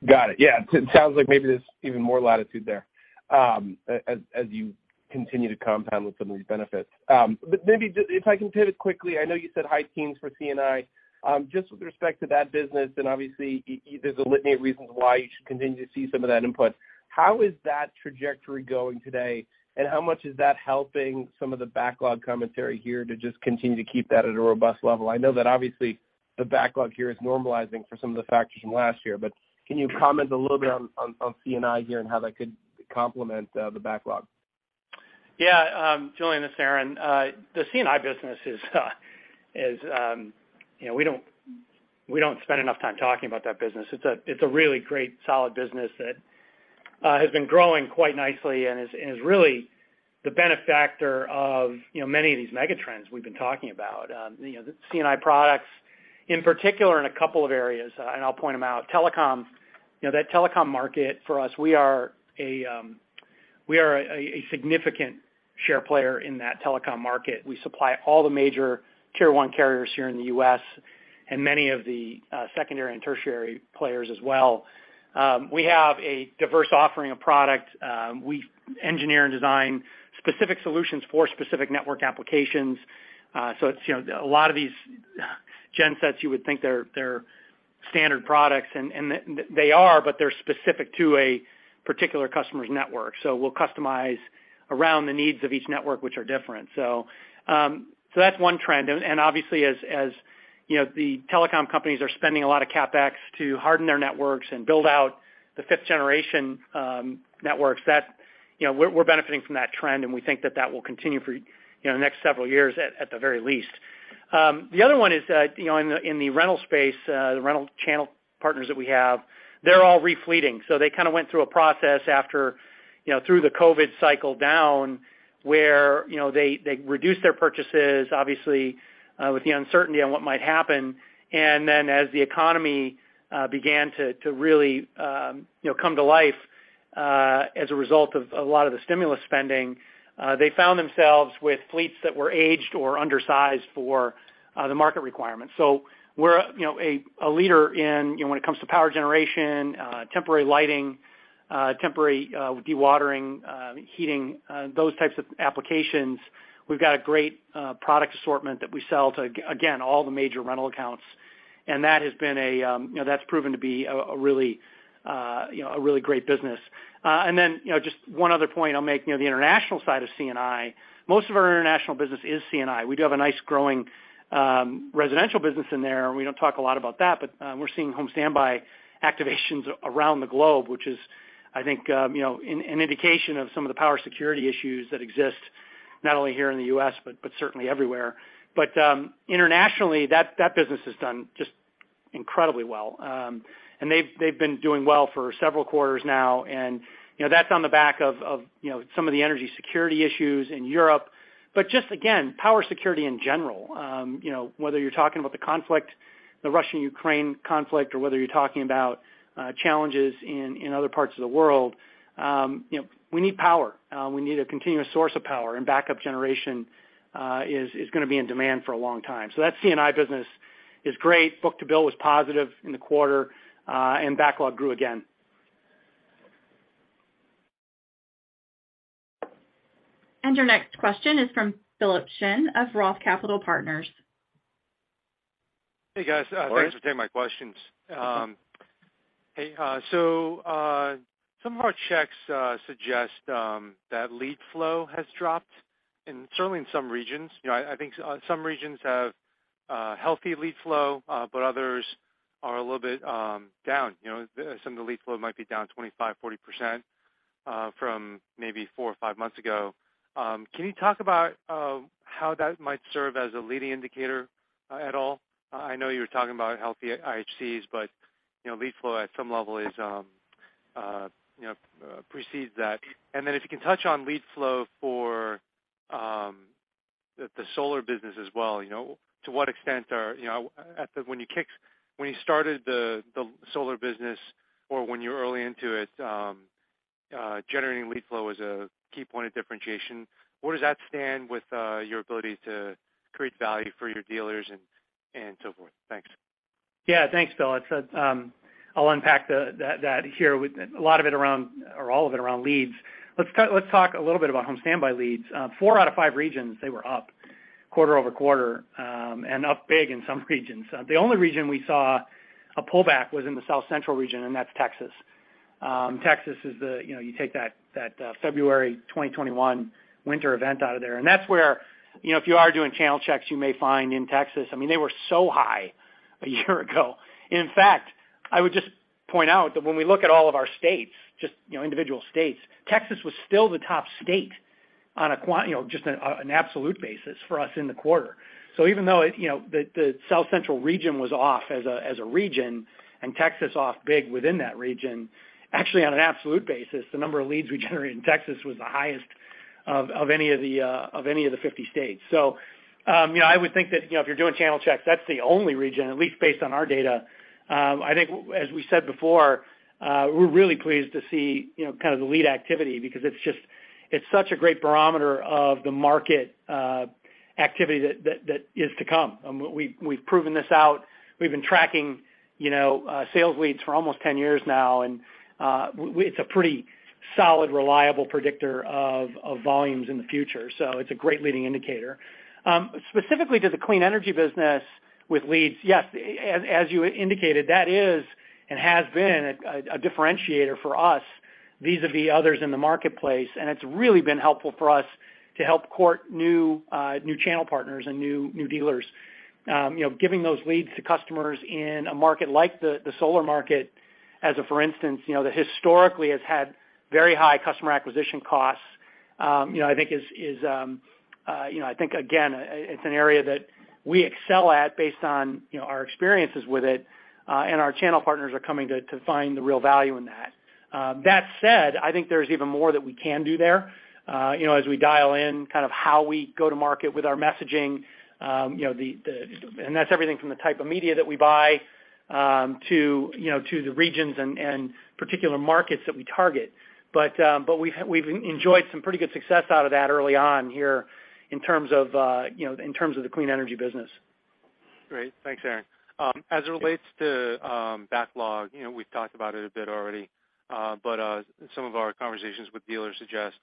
[SPEAKER 6] Got it. Yeah. It sounds like maybe there's even more latitude there, as you continue to compound with some of these benefits. Maybe just if I can pivot quickly, I know you said high teens for C&I. Just with respect to that business and obviously there's a litany of reasons why you should continue to see some of that input. How is that trajectory going today, and how much is that helping some of the backlog commentary here to just continue to keep that at a robust level? I know that obviously the backlog here is normalizing for some of the factors from last year, but can you comment a little bit on C&I here and how that could complement the backlog?
[SPEAKER 3] Yeah. Julien, this is Aaron. The C&I business is, you know, we don't spend enough time talking about that business. It's a really great solid business that has been growing quite nicely and is really the beneficiary of, you know, many of these mega trends we've been talking about. You know, C&I products in particular in a couple of areas, and I'll point them out. Telecom, you know, that telecom market for us, we are a significant share player in that telecom market. We supply all the major tier one carriers here in the U.S. and many of the secondary and tertiary players as well. We have a diverse offering of product. We engineer and design specific solutions for specific network applications. It's, you know, a lot of these gen sets. You would think they're standard products and they are, but they're specific to a particular customer's network. We'll customize around the needs of each network, which are different. That's one trend. Obviously, as you know, the telecom companies are spending a lot of CapEx to harden their networks and build out the fifth generation networks that, you know, we're benefiting from that trend, and we think that will continue for, you know, the next several years at the very least. The other one is that, you know, in the rental space, the rental channel partners that we have, they're all re-fleeting. They kinda went through a process after, you know, through the COVID cycle down, where, you know, they reduced their purchases, obviously, with the uncertainty on what might happen. As the economy began to really, you know, come to life as a result of a lot of the stimulus spending, they found themselves with fleets that were aged or undersized for the market requirements. We're, you know, a leader in, you know, when it comes to power generation, temporary lighting, temporary dewatering, heating, those types of applications. We've got a great product assortment that we sell to, again, all the major rental accounts. That has proven to be a really, you know, a really great business. You know, just one other point I'll make, you know, the international side of C&I. Most of our international business is C&I. We do have a nice growing residential business in there, and we don't talk a lot about that, but we're seeing home standby activations around the globe, which is I think, you know, an indication of some of the power security issues that exist not only here in the U.S., but certainly everywhere. Internationally, that business has done just incredibly well. They've been doing well for several quarters now. You know, that's on the back of, you know, some of the energy security issues in Europe. Just again, power security in general, you know, whether you're talking about the conflict, the Russian-Ukraine conflict, or whether you're talking about challenges in other parts of the world, you know, we need power. We need a continuous source of power, and backup generation is gonna be in demand for a long time. That C&I business is great. Book-to-bill was positive in the quarter, and backlog grew again.
[SPEAKER 1] Your next question is from Philip Shen of ROTH Capital Partners.
[SPEAKER 7] Hey, guys. Thanks for taking my questions. Hey, so some of our checks suggest that lead flow has dropped, and certainly in some regions. You know, I think some regions have healthy lead flow, but others are a little bit down. You know, some of the lead flow might be down 25%-40% from maybe four or five months ago. Can you talk about how that might serve as a leading indicator at all? I know you were talking about healthy IHCs, but you know, lead flow at some level precedes that. Then if you can touch on lead flow for the solar business as well, you know, to what extent are You know, when you started the solar business or when you were early into it, generating lead flow was a key point of differentiation. Where does that stand with your ability to create value for your dealers and so forth? Thanks.
[SPEAKER 3] Yeah. Thanks, Philip. It's, I'll unpack that here with a lot of it around or all of it around leads. Let's talk a little bit about home standby leads. Four out of five regions, they were up quarter-over-quarter, and up big in some regions. The only region we saw a pullback was in the South Central region, and that's Texas. Texas is the. You know, you take that February 2021 winter event out of there, and that's where, you know, if you are doing channel checks, you may find in Texas, I mean, they were so high a year ago. In fact, I would just point out that when we look at all of our states, just, you know, individual states, Texas was still the top state on an absolute basis for us in the quarter. Even though it, you know, the South Central region was off as a region and Texas off big within that region, actually, on an absolute basis, the number of leads we generated in Texas was the highest of any of the 50 states. You know, I would think that, you know, if you're doing channel checks, that's the only region, at least based on our data. I think as we said before, we're really pleased to see, you know, kind of the lead activity because it's just, it's such a great barometer of the market activity that is to come. We've proven this out. We've been tracking, you know, sales leads for almost 10 years now, and it's a pretty solid, reliable predictor of volumes in the future. It's a great leading indicator. Specifically to the clean energy business with leads, yes, as you indicated, that is, and has been a differentiator for us vis-à-vis others in the marketplace, and it's really been helpful for us to help court new channel partners and new dealers. You know, giving those leads to customers in a market like the solar market as, for instance, you know, that historically has had very high customer acquisition costs. You know, I think it's an area that we excel at based on, you know, our experiences with it, and our channel partners are coming to find the real value in that. That said, I think there's even more that we can do there. You know, as we dial in kind of how we go to market with our messaging, you know, and that's everything from the type of media that we buy, to, you know, to the regions and particular markets that we target. We've enjoyed some pretty good success out of that early on here in terms of, you know, in terms of the clean energy business.
[SPEAKER 7] Great. Thanks, Aaron. As it relates to backlog, you know, we've talked about it a bit already, but some of our conversations with dealers suggest.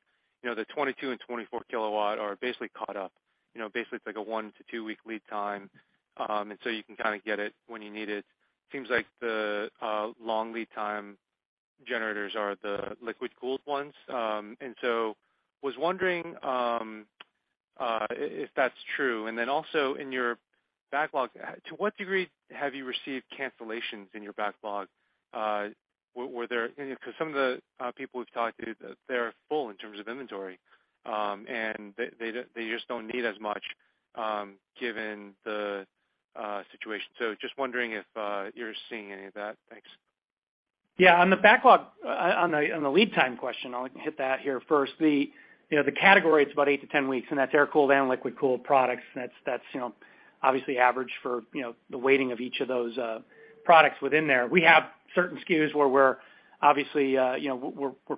[SPEAKER 7] You know, the 22 kW and 24 kW are basically caught up. You know, basically it's like a one to two-week lead time, and so you can kind of get it when you need it. Seems like the long lead time generators are the liquid-cooled ones. And so was wondering if that's true. Then also in your backlog, to what degree have you received cancellations in your backlog? Were there any because some of the people we've talked to, they're full in terms of inventory, and they just don't need as much given the situation. Just wondering if you're seeing any of that. Thanks.
[SPEAKER 3] Yeah. On the backlog. On the lead time question, I'll hit that here first. The category, it's about eight to 10 weeks, and that's air-cooled and liquid-cooled products. That's obviously average for the weighting of each of those products within there. We have certain SKUs where we're obviously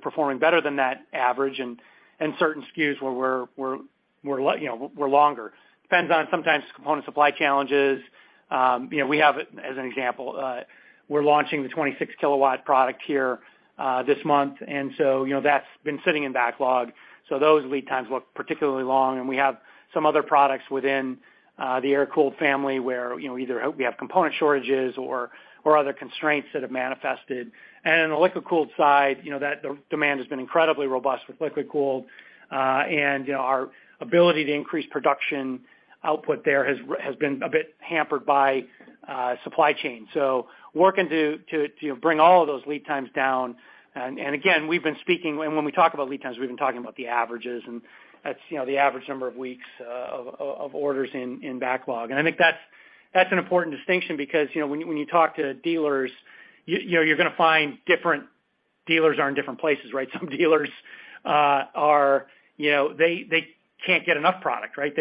[SPEAKER 3] performing better than that average and certain SKUs where we're longer. Depends on sometimes component supply challenges. We have, as an example, we're launching the 26 kW product here this month. We have some other products within the air-cooled family where either we have component shortages or other constraints that have manifested. In the liquid-cooled side, you know, that demand has been incredibly robust with liquid-cooled. Our ability to increase production output there has been a bit hampered by supply chain. Working to bring all of those lead times down. Again, we've been speaking and when we talk about lead times, we've been talking about the averages, and that's, you know, the average number of weeks of orders in backlog. I think that's an important distinction because, you know, when you talk to dealers, you know, you're gonna find different dealers are in different places, right? Some dealers are, you know, they can't get enough product, right?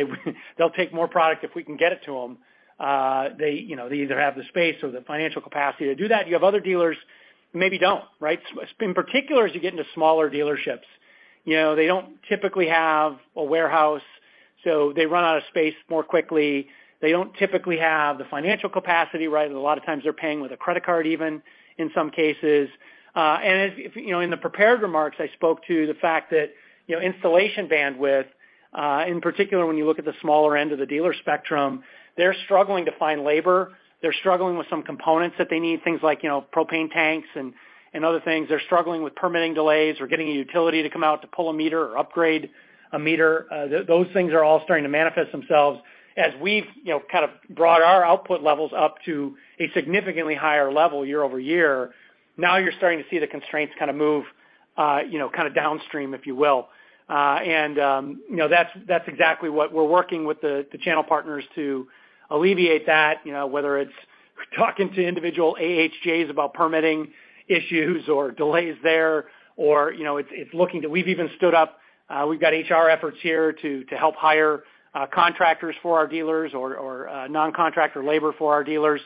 [SPEAKER 3] They'll take more product if we can get it to them. They, you know, they either have the space or the financial capacity to do that. You have other dealers who maybe don't, right? In particular, as you get into smaller dealerships, you know, they don't typically have a warehouse, so they run out of space more quickly. They don't typically have the financial capacity, right, and a lot of times they're paying with a credit card even in some cases. And if, you know, in the prepared remarks, I spoke to the fact that, you know, installation bandwidth, in particular, when you look at the smaller end of the dealer spectrum, they're struggling to find labor. They're struggling with some components that they need, things like, you know, propane tanks and other things. They're struggling with permitting delays or getting a utility to come out to pull a meter or upgrade a meter. Those things are all starting to manifest themselves. As we've, you know, kind of brought our output levels up to a significantly higher level year over year, now you're starting to see the constraints kind of move, you know, kind of downstream, if you will. You know, that's exactly what we're working with the channel partners to alleviate that, you know, whether it's talking to individual AHJs about permitting issues or delays there, or, you know, it's looking to. We've even stood up, we've got HR efforts here to help hire contractors for our dealers or non-contractor labor for our dealers,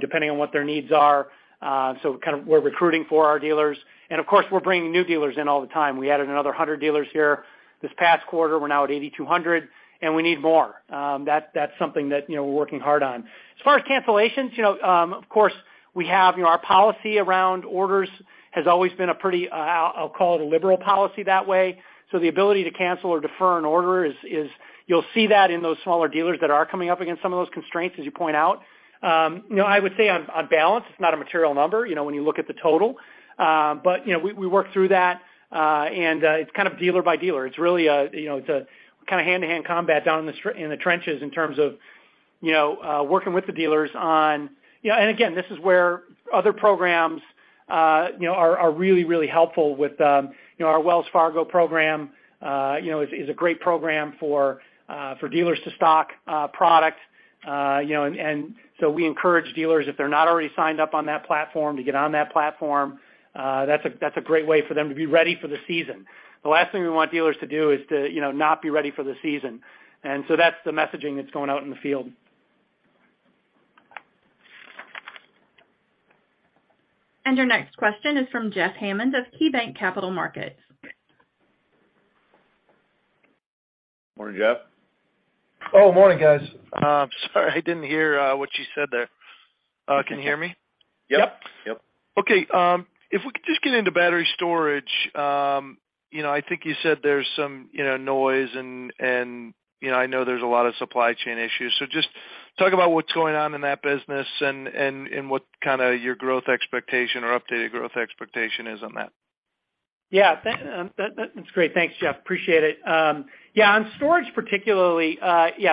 [SPEAKER 3] depending on what their needs are. Kind of we're recruiting for our dealers. Of course, we're bringing new dealers in all the time. We added another 100 dealers here this past quarter. We're now at 8,200, and we need more. That's something that, you know, we're working hard on. As far as cancellations, you know, of course, we have, you know, our policy around orders has always been a pretty, I'll call it, a liberal policy that way. The ability to cancel or defer an order is. You'll see that in those smaller dealers that are coming up against some of those constraints, as you point out. You know, I would say on balance, it's not a material number, you know, when you look at the total. You know, we work through that, and it's kind of dealer by dealer. It's really a, you know, it's a kind of hand-to-hand combat down in the trenches in terms of, you know, working with the dealers on. You know, and again, this is where other programs, you know, are really helpful with, you know, our Wells Fargo program, you know, is a great program for dealers to stock product. You know, and so we encourage dealers, if they're not already signed up on that platform, to get on that platform. That's a great way for them to be ready for the season. The last thing we want dealers to do is to, you know, not be ready for the season. That's the messaging that's going out in the field.
[SPEAKER 1] Your next question is from Jeffrey Hammond of KeyBanc Capital Markets.
[SPEAKER 4] Morning, Jeff.
[SPEAKER 8] Oh, morning, guys. Sorry, I didn't hear what you said there. Can you hear me?
[SPEAKER 3] Yep.
[SPEAKER 4] Yep.
[SPEAKER 8] Okay. If we could just get into battery storage. You know, I think you said there's some, you know, noise and you know, I know there's a lot of supply chain issues. Just talk about what's going on in that business and what kind of your growth expectation or updated growth expectation is on that.
[SPEAKER 3] Yeah. That's great. Thanks, Jeff. Appreciate it. Yeah, on storage particularly,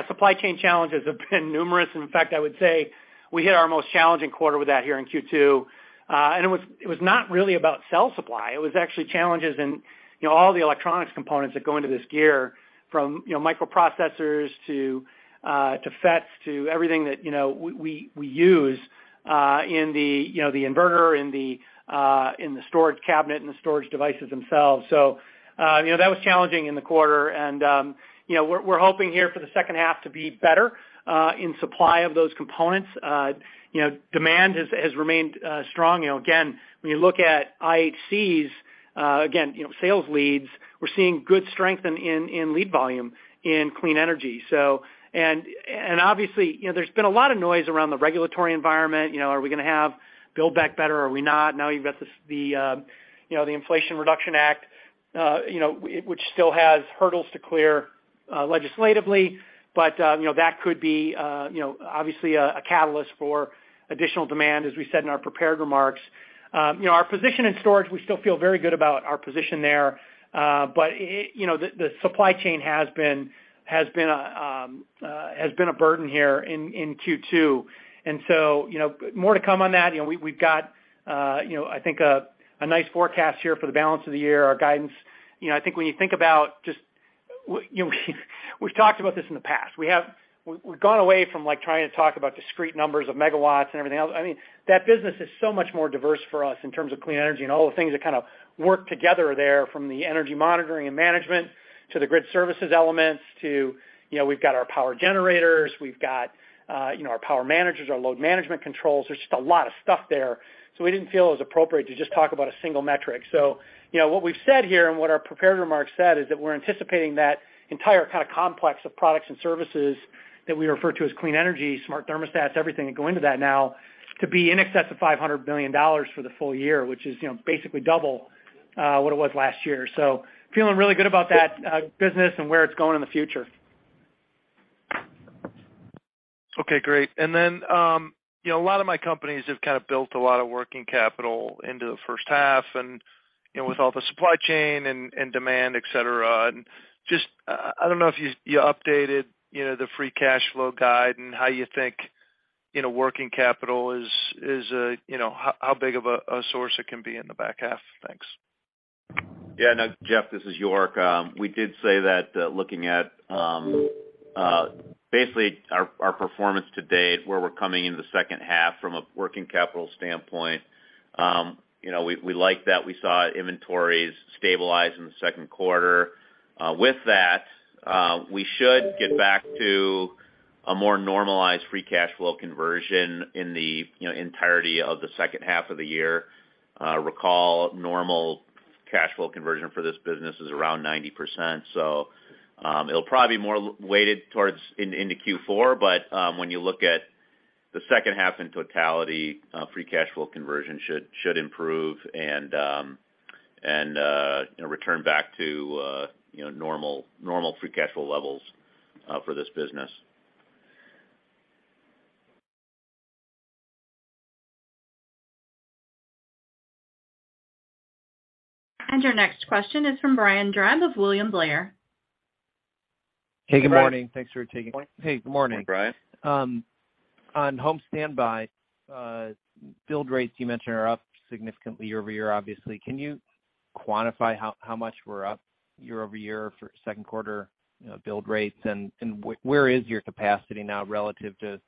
[SPEAKER 3] supply chain challenges have been numerous. In fact, I would say we hit our most challenging quarter with that here in Q2. It was not really about cell supply. It was actually challenges in, you know, all the electronics components that go into this gear, from, you know, microprocessors to FETs, to everything that, you know, we use in the, you know, the inverter, in the storage cabinet, and the storage devices themselves. So, you know, that was challenging in the quarter. You know, we're hoping here for the second half to be better in supply of those components. You know, demand has remained strong. You know, again, when you look at IHC's, you know, sales leads, we're seeing good strength in lead volume in clean energy. Obviously, you know, there's been a lot of noise around the regulatory environment. You know, are we gonna have Build Back Better? Are we not? Now you've got this, the you know, the Inflation Reduction Act, you know, which still has hurdles to clear legislatively, but you know, that could be, you know, obviously a catalyst for additional demand, as we said in our prepared remarks. You know, our position in storage, we still feel very good about our position there. But you know, the supply chain has been a burden here in Q2. You know, more to come on that. You know, we've got, you know, I think, a nice forecast here for the balance of the year, our guidance. You know, I think when you think about just, you know, we've talked about this in the past. We've gone away from like trying to talk about discrete numbers of megawatts and everything else. I mean, that business is so much more diverse for us in terms of clean energy and all the things that kind of work together there from the energy monitoring and management to the grid services elements to, you know, we've got our power generators, we've got, you know, our power managers, our load management controls. There's just a lot of stuff there. We didn't feel it was appropriate to just talk about a single metric. You know, what we've said here and what our prepared remarks said is that we're anticipating that entire kind of complex of products and services that we refer to as clean energy, smart thermostats, everything that go into that now could be in excess of $500 million for the full year, which is, you know, basically double what it was last year. Feeling really good about that business and where it's going in the future.
[SPEAKER 8] Okay, great. Then, you know, a lot of my companies have kind of built a lot of working capital into the first half and, you know, with all the supply chain and demand, et cetera. Just, I don't know if you updated, you know, the free cash flow guide and how you think, you know, working capital is, you know, how big of a source it can be in the back half. Thanks.
[SPEAKER 4] Yeah. No, Jeff, this is York. We did say that, looking at basically our performance to date, where we're coming into the second half from a working capital standpoint, you know, we like that we saw inventories stabilize in the second quarter. With that, we should get back to a more normalized free cash flow conversion in the, you know, entirety of the second half of the year. Recall normal cash flow conversion for this business is around 90%. It'll probably be more left-weighted towards into Q4. But when you look at the second half in totality, free cash flow conversion should improve and, you know, return back to, you know, normal free cash flow levels for this business.
[SPEAKER 1] Your next question is from Brian Drab of William Blair.
[SPEAKER 9] Hey, good morning. Thanks for taking-
[SPEAKER 3] Morning.
[SPEAKER 9] Hey, good morning.
[SPEAKER 4] Morning, Brian.
[SPEAKER 9] On home standby, build rates you mentioned are up significantly year-over-year, obviously. Can you quantify how much we're up year-over-year for second quarter, you know, build rates? Where is your capacity now relative to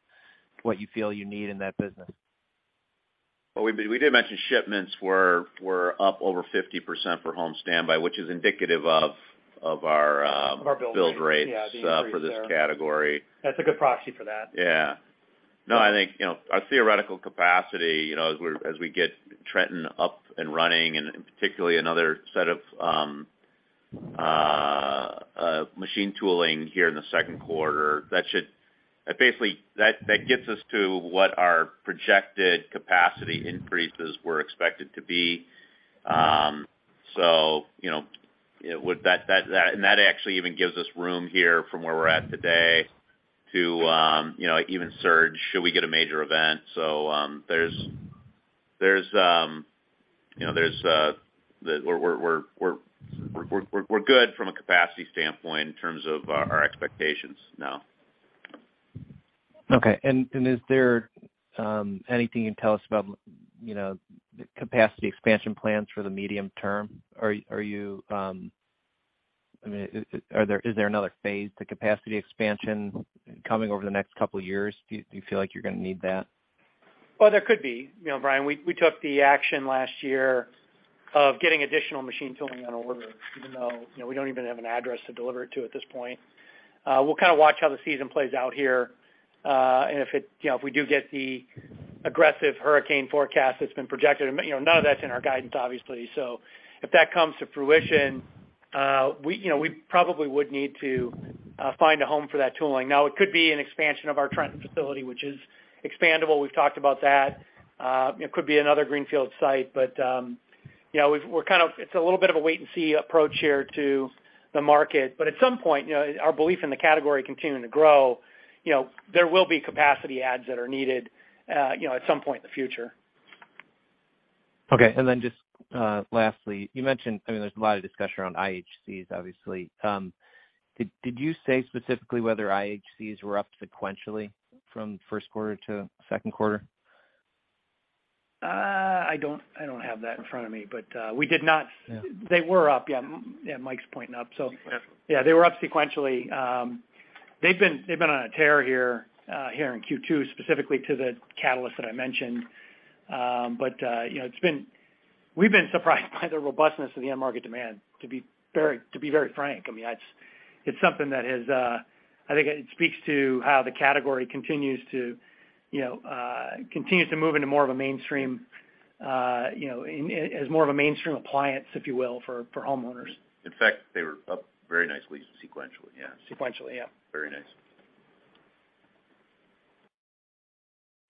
[SPEAKER 9] what you feel you need in that business?
[SPEAKER 4] Well, we did mention shipments were up over 50% for home standby, which is indicative of our
[SPEAKER 3] Of our build rates.
[SPEAKER 4] Build rates
[SPEAKER 3] Yeah.
[SPEAKER 4] For this category.
[SPEAKER 3] That's a good proxy for that.
[SPEAKER 4] Yeah. No, I think, you know, our theoretical capacity, you know, as we get Trenton up and running, and particularly another set of machine tooling here in the second quarter, that basically gets us to what our projected capacity increases were expected to be. You know, with that, and that actually even gives us room here from where we're at today to, you know, even surge should we get a major event. There's, you know, we're good from a capacity standpoint in terms of our expectations now.
[SPEAKER 9] Okay. Is there anything you can tell us about, you know, the capacity expansion plans for the medium term? I mean, is there another phase to capacity expansion coming over the next couple of years? Do you feel like you're gonna need that?
[SPEAKER 3] Well, there could be. You know, Brian, we took the action last year of getting additional machine tooling on order, even though, you know, we don't even have an address to deliver it to at this point. We'll kind of watch how the season plays out here. If we do get the aggressive hurricane forecast that's been projected, you know, none of that's in our guidance, obviously. If that comes to fruition, we, you know, we probably would need to find a home for that tooling. Now, it could be an expansion of our Trenton facility, which is expandable. We've talked about that. It could be another greenfield site. You know, it's a little bit of a wait and see approach here to the market. But at some point, you know, our belief in the category continuing to grow, you know, there will be capacity adds that are needed, you know, at some point in the future.
[SPEAKER 9] Just lastly, you mentioned, I mean, there's a lot of discussion around IHCs, obviously. Did you say specifically whether IHCs were up sequentially from first quarter to second quarter?
[SPEAKER 3] I don't have that in front of me, but we did not.
[SPEAKER 9] Yeah.
[SPEAKER 3] They were up. Yeah, yeah, Mike's pointing up.
[SPEAKER 9] Yeah.
[SPEAKER 3] Yeah, they were up sequentially. They've been on a tear here in Q2, specifically to the catalyst that I mentioned. You know, it's been, we've been surprised by the robustness of the end market demand, to be very frank. I mean, that's something that has, I think it speaks to how the category continues to move into more of a mainstream, you know, as more of a mainstream appliance, if you will, for homeowners.
[SPEAKER 4] In fact, they were up very nicely sequentially. Yeah.
[SPEAKER 3] Sequentially, yeah.
[SPEAKER 4] Very nice.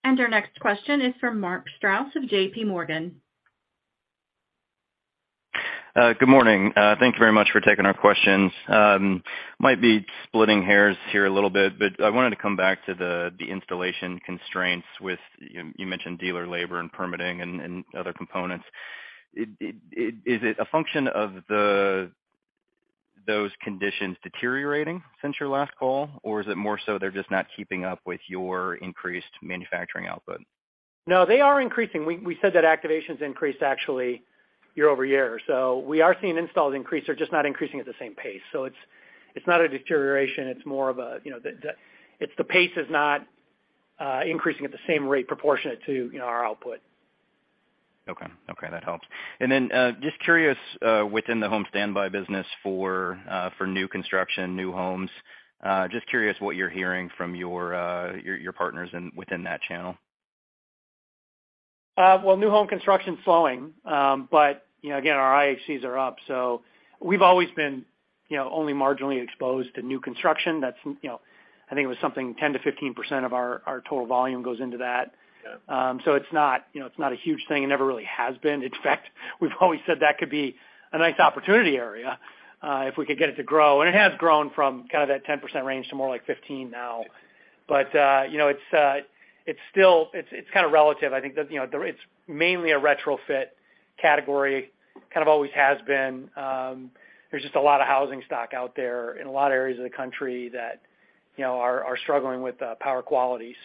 [SPEAKER 1] Our next question is from Mark Strouse of JPMorgan.
[SPEAKER 10] Good morning. Thank you very much for taking our questions. Might be splitting hairs here a little bit, but I wanted to come back to the installation constraints with you mentioned dealer labor and permitting and other components. Is it a function of those conditions deteriorating since your last call? Or is it more so they're just not keeping up with your increased manufacturing output?
[SPEAKER 3] No, they are increasing. We said that activations increased actually year-over-year. We are seeing installs increase. They're just not increasing at the same pace. It's not a deterioration. It's more of a, you know, it's the pace is not increasing at the same rate proportionate to, you know, our output.
[SPEAKER 10] Okay. Okay, that helps. Just curious, within the home standby business for new construction, new homes, just curious what you're hearing from your partners within that channel?
[SPEAKER 3] Well, new home construction's slowing. You know, again, our IHCs are up, so we've always been, you know, only marginally exposed to new construction. That's, you know, I think it was something 10%-15% of our total volume goes into that. It's not, you know, it's not a huge thing. It never really has been. In fact, we've always said that could be a nice opportunity area, if we could get it to grow, and it has grown from kind of that 10% range to more like 15% now. You know, it's still, it's kind of relative. I think, you know, it's mainly a retrofit category, kind of always has been. There's just a lot of housing stock out there in a lot of areas of the country that, you know, are struggling with power quality.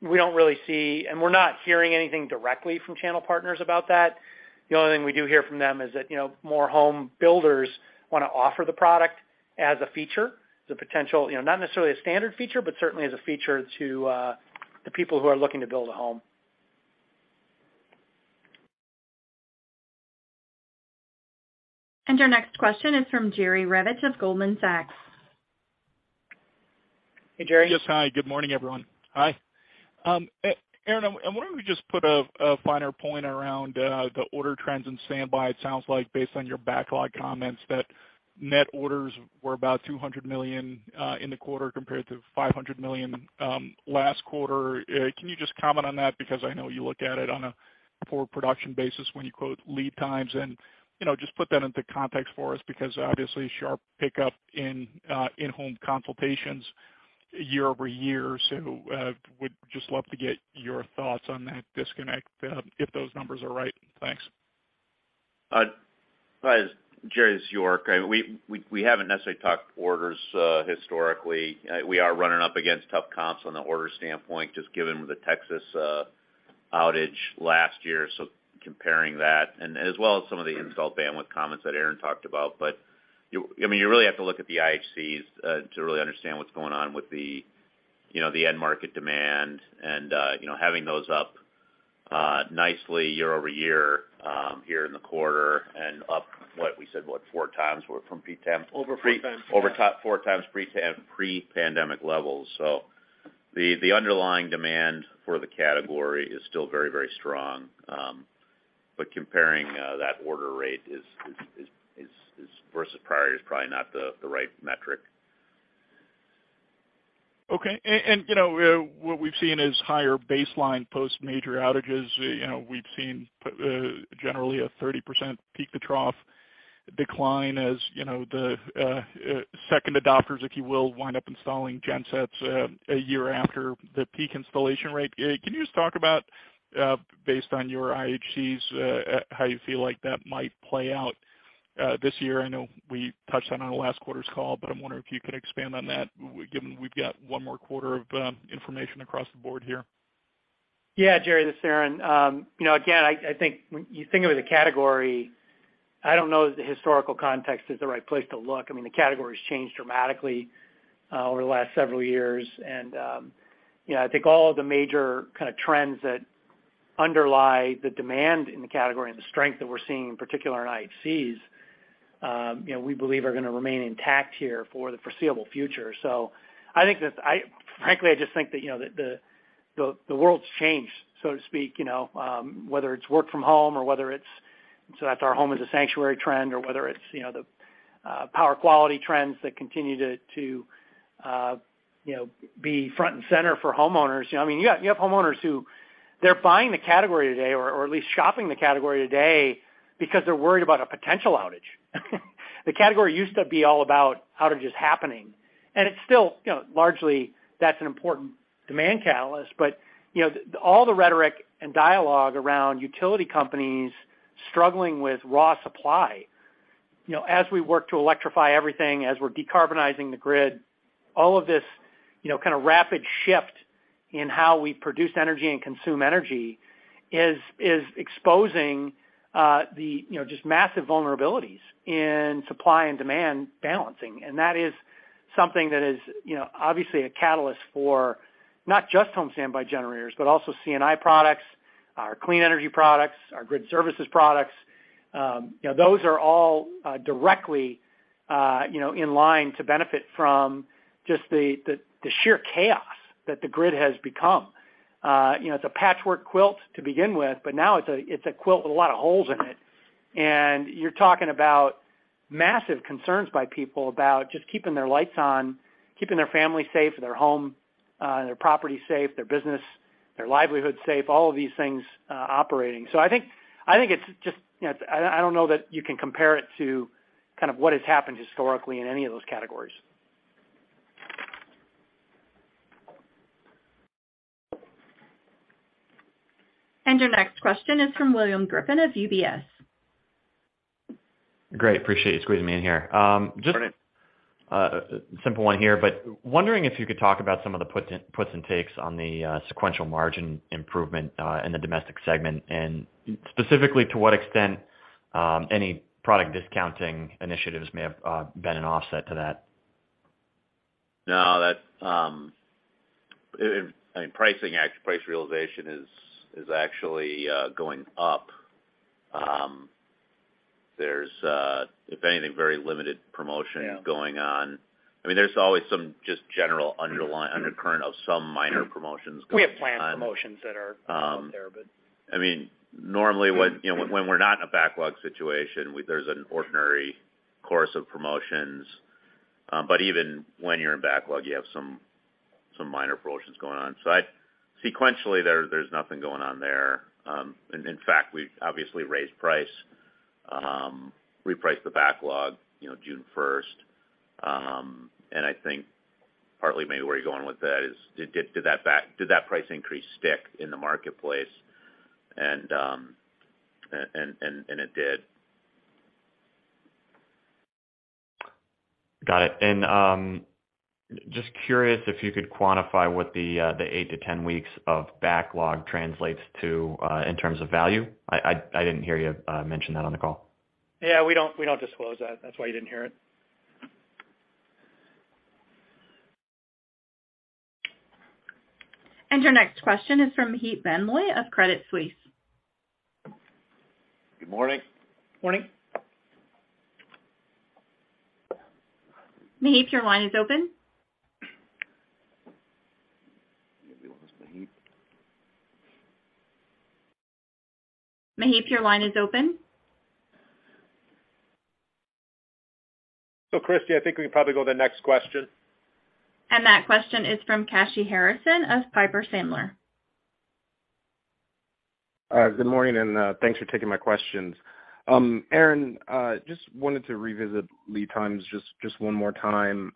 [SPEAKER 3] We don't really see, and we're not hearing anything directly from channel partners about that. The only thing we do hear from them is that, you know, more home builders wanna offer the product as a feature, as a potential, you know, not necessarily a standard feature, but certainly as a feature to the people who are looking to build a home.
[SPEAKER 1] Our next question is from Jerry Revich of Goldman Sachs.
[SPEAKER 3] Hey, Jerry.
[SPEAKER 11] Yes. Hi, good morning, everyone. Aaron, I wonder if you could just put a finer point around the order trends in standby. It sounds like based on your backlog comments that net orders were about $200 million in the quarter compared to $500 million last quarter. Can you just comment on that? Because I know you look at it on a per production basis when you quote lead times. You know, just put that into context for us because obviously sharp pickup in in-home consultations year-over-year. Would just love to get your thoughts on that disconnect if those numbers are right. Thanks.
[SPEAKER 4] Jerry, it's York. We haven't necessarily talked orders historically. We are running up against tough comps on the order standpoint, just given the Texas outage last year. Comparing that and as well as some of the install bandwidth comments that Aaron talked about. You, I mean, you really have to look at the IHCs to really understand what's going on with the, you know, the end market demand and, you know, having those up nicely year-over-year here in the quarter and up, what we said, four times from pre-pandemic.
[SPEAKER 3] Over 4 times, yeah.
[SPEAKER 4] Over top four times pre-pandemic levels. The underlying demand for the category is still very, very strong. But comparing that order rate versus prior is probably not the right metric.
[SPEAKER 11] Okay. You know, what we've seen is higher baseline post major outages. You know, we've seen generally a 30% peak to trough decline as, you know, the second adopters, if you will, wind up installing gensets a year after the peak installation rate. Can you just talk about based on your IHCs how you feel like that might play out this year? I know we touched on it on last quarter's call, but I'm wondering if you could expand on that, given we've got one more quarter of information across the board here.
[SPEAKER 3] Yeah, Jerry, this is Aaron. You know, again, I think when you think of it as a category, I don't know that the historical context is the right place to look. I mean, the category's changed dramatically over the last several years. You know, I think all of the major kind of trends that underlie the demand in the category and the strength that we're seeing in particular in IHCs, you know, we believe are gonna remain intact here for the foreseeable future. I frankly just think that, you know, the world's changed, so to speak, you know, whether it's work from home or whether it's so that's our home is a sanctuary trend or whether it's, you know, the power quality trends that continue to, you know, be front and center for homeowners. You know, I mean, you have homeowners who they're buying the category today, or at least shopping the category today because they're worried about a potential outage. The category used to be all about outages happening, and it's still, you know, largely that's an important demand catalyst. You know, all the rhetoric and dialogue around utility companies struggling with raw supply, you know, as we work to electrify everything, as we're decarbonizing the grid, all of this, you know, kind of rapid shift in how we produce energy and consume energy is exposing the, you know, just massive vulnerabilities in supply and demand balancing. That is something that is, you know, obviously a catalyst for not just home standby generators, but also C&I products, our clean energy products, our grid services products. You know, those are all directly, you know, in line to benefit from just the sheer chaos that the grid has become. You know, it's a patchwork quilt to begin with, but now it's a quilt with a lot of holes in it. You're talking about massive concerns by people about just keeping their lights on, keeping their family safe, their home, their property safe, their business, their livelihood safe, all of these things operating. I think it's just, you know, I don't know that you can compare it to kind of what has happened historically in any of those categories.
[SPEAKER 1] Your next question is from William Grippin of UBS.
[SPEAKER 12] Great. Appreciate you squeezing me in here.
[SPEAKER 3] Morning.
[SPEAKER 12] A simple one here, wondering if you could talk about some of the puts and takes on the sequential margin improvement in the domestic segment, and specifically to what extent any product discounting initiatives may have been an offset to that?
[SPEAKER 4] No, that in pricing, price realization is actually going up. There's, if anything, very limited promotion going on. I mean, there's always some just general underlying undercurrent of some minor promotions going on.
[SPEAKER 3] We have planned promotions that are out there.
[SPEAKER 4] I mean, normally when, you know, we're not in a backlog situation, there's an ordinary course of promotions. Even when you're in backlog, you have some minor promotions going on. Sequentially there's nothing going on there. In fact, we've obviously raised price, repriced the backlog, you know, June first. I think partly maybe where you're going with that is, did that price increase stick in the marketplace? It did.
[SPEAKER 12] Got it. Just curious if you could quantify what the eight to 10 weeks of backlog translates to in terms of value. I didn't hear you mention that on the call.
[SPEAKER 3] Yeah, we don't disclose that. That's why you didn't hear it.
[SPEAKER 1] Your next question is from Maheep Mandloi of Credit Suisse.
[SPEAKER 3] Good morning.
[SPEAKER 12] Morning.
[SPEAKER 1] Maheep, your line is open.
[SPEAKER 3] Maybe we lost Maheep.
[SPEAKER 1] Maheep, your line is open.
[SPEAKER 3] Christy, I think we can probably go to the next question.
[SPEAKER 1] That question is from Kashy Harrison of Piper Sandler.
[SPEAKER 13] Good morning, and thanks for taking my questions. Aaron, just wanted to revisit lead times just one more time.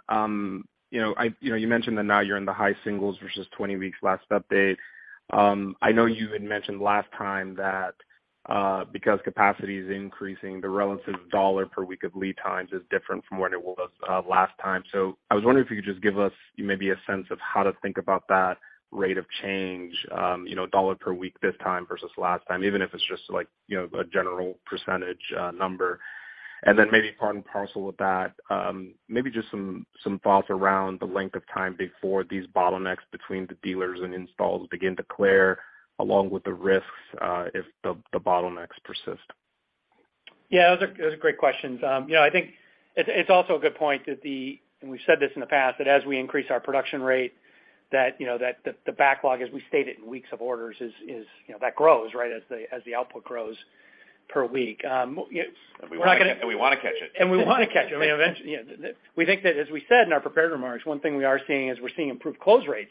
[SPEAKER 13] You know, I, you know, you mentioned that now you're in the high singles versus 20 weeks last update. I know you had mentioned last time that, because capacity is increasing, the relative dollar per week of lead times is different from what it was, last time. I was wondering if you could just give us maybe a sense of how to think about that rate of change, you know, dollar per week this time versus last time, even if it's just like, you know, a general percentage number. Maybe part and parcel with that, maybe just some thoughts around the length of time before these bottlenecks between the dealers and installs begin to clear, along with the risks, if the bottlenecks persist.
[SPEAKER 3] Yeah, those are great questions. You know, I think it's also a good point that, and we've said this in the past, that as we increase our production rate, you know, that the backlog, as we state it in weeks of orders is, you know, that grows, right, as the output grows per week.
[SPEAKER 4] We wanna catch it.
[SPEAKER 3] We wanna catch it. I mean, you know, we think that, as we said in our prepared remarks, one thing we are seeing is we're seeing improved close rates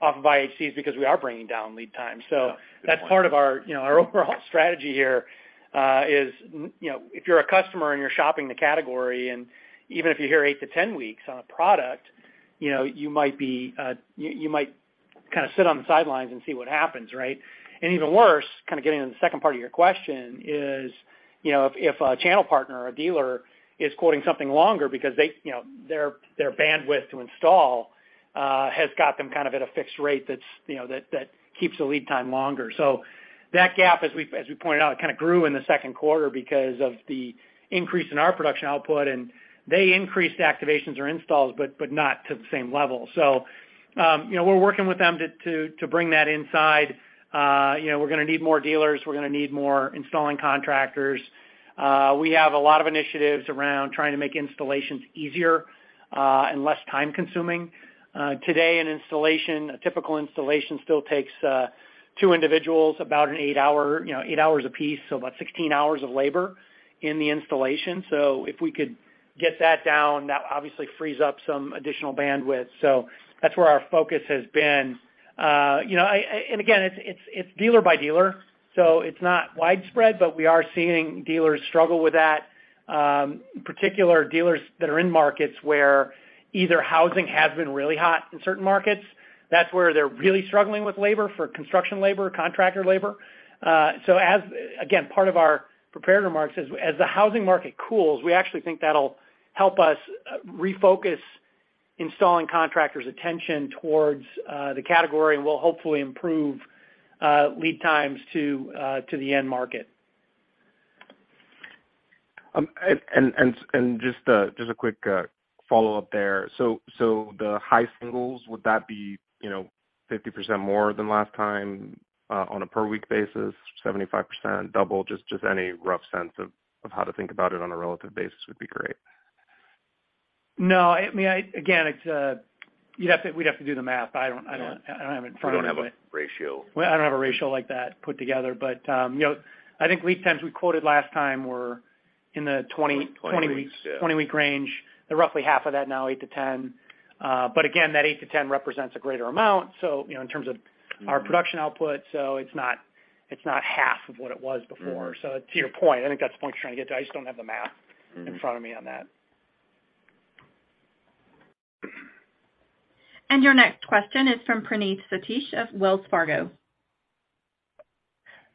[SPEAKER 3] off of IHCs because we are bringing down lead time.
[SPEAKER 4] Yeah. Good point.
[SPEAKER 3] That's part of our, you know, our overall strategy here, you know, if you're a customer and you're shopping the category, and even if you hear eight to 10 weeks on a product, you know, you might be, you might kind of sit on the sidelines and see what happens, right? Even worse, kind of getting into the second part of your question is, you know, if a channel partner or a dealer is quoting something longer because they, you know, their bandwidth to install, has got them kind of at a fixed rate that's, you know, that keeps the lead time longer. That gap, as we pointed out, kind of grew in the second quarter because of the increase in our production output, and they increased activations or installs, but not to the same level. You know, we're working with them to bring that inside. You know, we're gonna need more dealers. We're gonna need more installing contractors. We have a lot of initiatives around trying to make installations easier and less time-consuming. Today an installation, a typical installation still takes two individuals about eight hours a piece, so about 16 hours of labor in the installation. If we could get that down, that obviously frees up some additional bandwidth. That's where our focus has been. You know, and again, it's dealer by dealer, so it's not widespread, but we are seeing dealers struggle with that. Particular dealers that are in markets where either housing has been really hot in certain markets, that's where they're really struggling with labor for construction labor, contractor labor. Again, part of our prepared remarks is, as the housing market cools, we actually think that'll help us refocus installing contractors' attention towards the category and will hopefully improve lead times to the end market.
[SPEAKER 13] Just a quick follow-up there. The high singles, would that be, you know, 50% more than last time, on a per week basis, 75%, double? Just any rough sense of how to think about it on a relative basis would be great.
[SPEAKER 3] No, I mean, again, it's, we'd have to do the math. I don't have it in front of me.
[SPEAKER 4] You don't have a ratio.
[SPEAKER 3] Well, I don't have a ratio like that put together. You know, I think lead times we quoted last time were in the 20, 20 weeks.
[SPEAKER 4] 20 weeks, yeah.
[SPEAKER 3] 20-week range. They're roughly half of that now, eight to 10. But again, that eight to 10 represents a greater amount, so, you know, in terms of our production output, so it's not half of what it was before. To your point, I think that's the point you're trying to get to. I just don't have the math in front of me on that.
[SPEAKER 1] Your next question is from Praneeth Satish of Wells Fargo.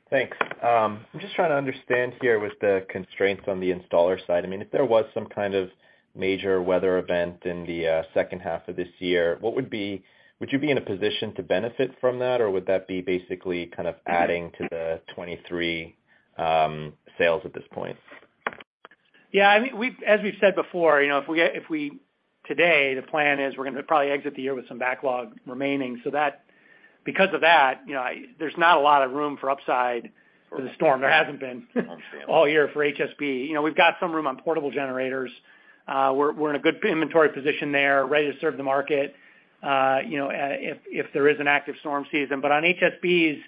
[SPEAKER 14] Thanks. I'm just trying to understand here with the constraints on the installer side. I mean, if there was some kind of major weather event in the second half of this year, would you be in a position to benefit from that, or would that be basically kind of adding to the 2023 sales at this point?
[SPEAKER 3] Yeah, I think as we've said before, you know, today the plan is we're gonna probably exit the year with some backlog remaining. Because of that, you know, there's not a lot of room for upside for the storm. There hasn't been all year for HSB. You know, we've got some room on portable generators. We're in a good inventory position there, ready to serve the market, you know, if there is an active storm season. On HSBs,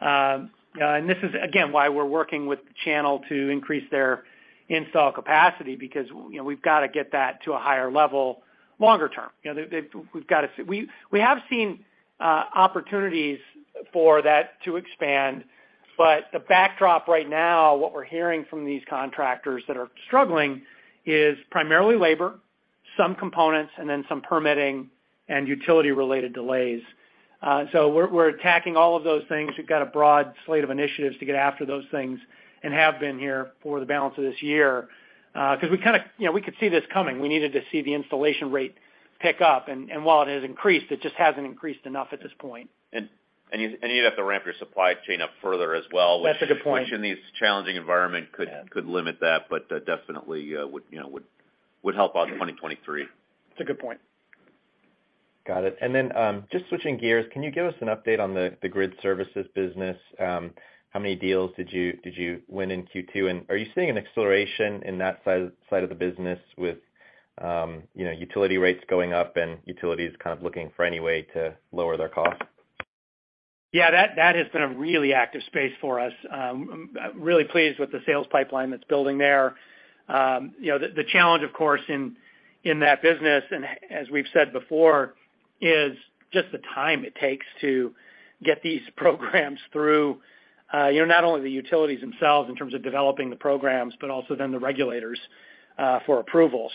[SPEAKER 3] and this is again, why we're working with the channel to increase their install capacity because, you know, we've gotta get that to a higher level longer term. You know, we've gotta see. We have seen opportunities for that to expand. The backdrop right now, what we're hearing from these contractors that are struggling is primarily labor, some components, and then some permitting and utility-related delays. We're attacking all of those things. We've got a broad slate of initiatives to get after those things and have been here for the balance of this year. 'Cause we kinda, you know, we could see this coming. We needed to see the installation rate pick up, and while it has increased, it just hasn't increased enough at this point.
[SPEAKER 4] You'd have to ramp your supply chain up further as well.
[SPEAKER 3] That's a good point.
[SPEAKER 4] Which in this challenging environment could limit that, but definitely would, you know, help out 2023.
[SPEAKER 3] It's a good point.
[SPEAKER 14] Got it. Just switching gears, can you give us an update on the grid services business? How many deals did you win in Q2? And are you seeing an acceleration in that side of the business with, you know, utility rates going up and utilities kind of looking for any way to lower their costs?
[SPEAKER 3] Yeah, that has been a really active space for us. Really pleased with the sales pipeline that's building there. You know, the challenge of course in that business, and as we've said before, is just the time it takes to get these programs through, you know, not only the utilities themselves in terms of developing the programs, but also then the regulators, for approval.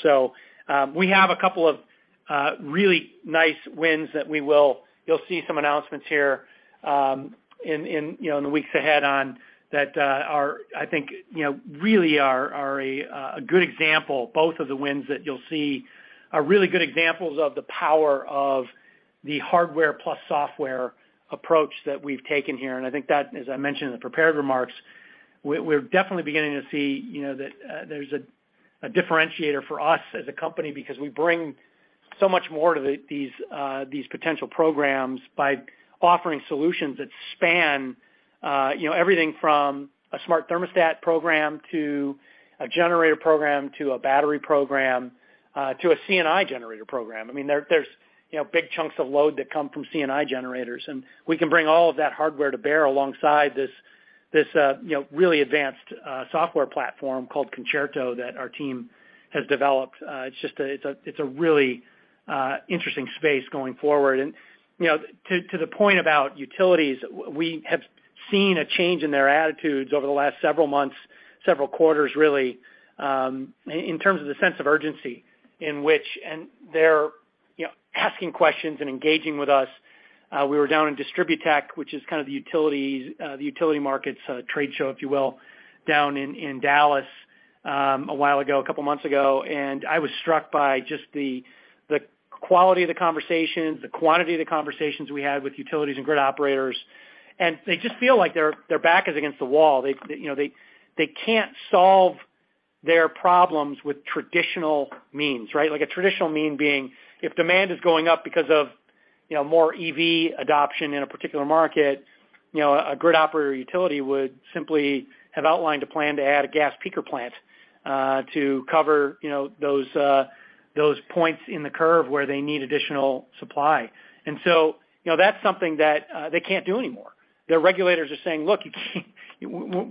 [SPEAKER 3] We have a couple of really nice wins that you'll see some announcements here in the weeks ahead on that are, I think, you know, really a good example. Both of the wins that you'll see are really good examples of the power of the hardware plus software approach that we've taken here. I think that, as I mentioned in the prepared remarks, we're definitely beginning to see, you know, that there's a differentiator for us as a company because we bring so much more to these potential programs by offering solutions that span, you know, everything from a smart thermostat program to a generator program to a battery program to a C&I generator program. I mean, there's, you know, big chunks of load that come from C&I generators, and we can bring all of that hardware to bear alongside this, you know, really advanced software platform called Concerto that our team has developed. It's a really interesting space going forward. You know, to the point about utilities, we have seen a change in their attitudes over the last several months, several quarters really, in terms of the sense of urgency in which they are asking questions and engaging with us. We were down in DISTRIBUTECH, which is kind of the utilities, the utility market's trade show, if you will, down in Dallas a while ago, a couple months ago. I was struck by just the quality of the conversations, the quantity of the conversations we had with utilities and grid operators. They just feel like their back is against the wall. They, you know, they can't solve their problems with traditional means, right? Like a traditional means being if demand is going up because of, you know, more EV adoption in a particular market, you know, a grid operator utility would simply have outlined a plan to add a gas peaker plant to cover, you know, those points in the curve where they need additional supply. You know, that's something that they can't do anymore. Their regulators are saying, "Look, you can't.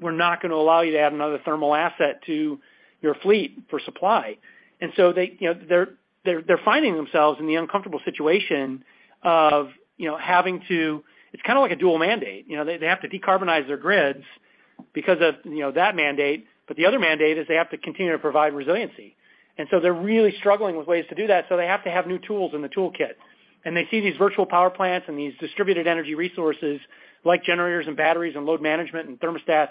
[SPEAKER 3] We're not gonna allow you to add another thermal asset to your fleet for supply." They're, you know, finding themselves in the uncomfortable situation of, you know, having to. It's kinda like a dual mandate. You know, they have to decarbonize their grids because of, you know, that mandate, but the other mandate is they have to continue to provide resiliency. They're really struggling with ways to do that, so they have to have new tools in the toolkit. They see these virtual power plants and these distributed energy resources like generators and batteries and load management and thermostats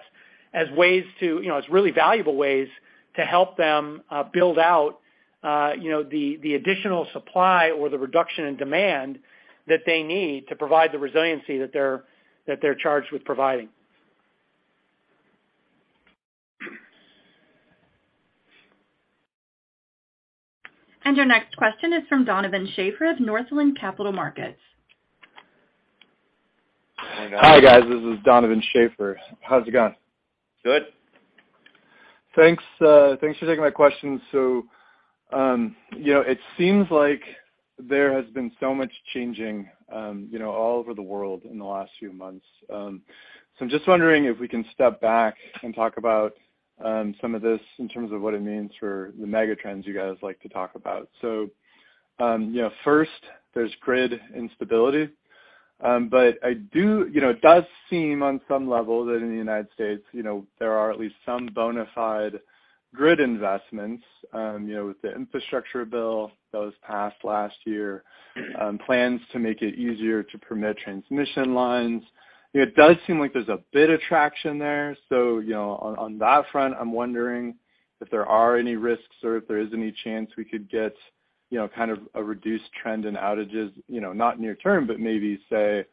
[SPEAKER 3] as ways to, you know, as really valuable ways to help them build out, you know, the additional supply or the reduction in demand that they need to provide the resiliency that they're charged with providing.
[SPEAKER 1] Your next question is from Donovan Schafer of Northland Capital Markets.
[SPEAKER 15] Hi guys, this is Donovan Schafer. How's it going?
[SPEAKER 3] Good.
[SPEAKER 15] Thanks for taking my question. You know, it seems like there has been so much changing, you know, all over the world in the last few months. I'm just wondering if we can step back and talk about some of this in terms of what it means for the mega trends you guys like to talk about. You know, first there's grid instability. You know, it does seem on some level that in the United States, you know, there are at least some bona fide grid investments, you know, with the infrastructure bill that was passed last year, plans to make it easier to permit transmission lines. It does seem like there's a bit of traction there. You know, on that front, I'm wondering if there are any risks or if there is any chance we could get, you know, kind of a reduced trend in outages, you know, not near term, but maybe say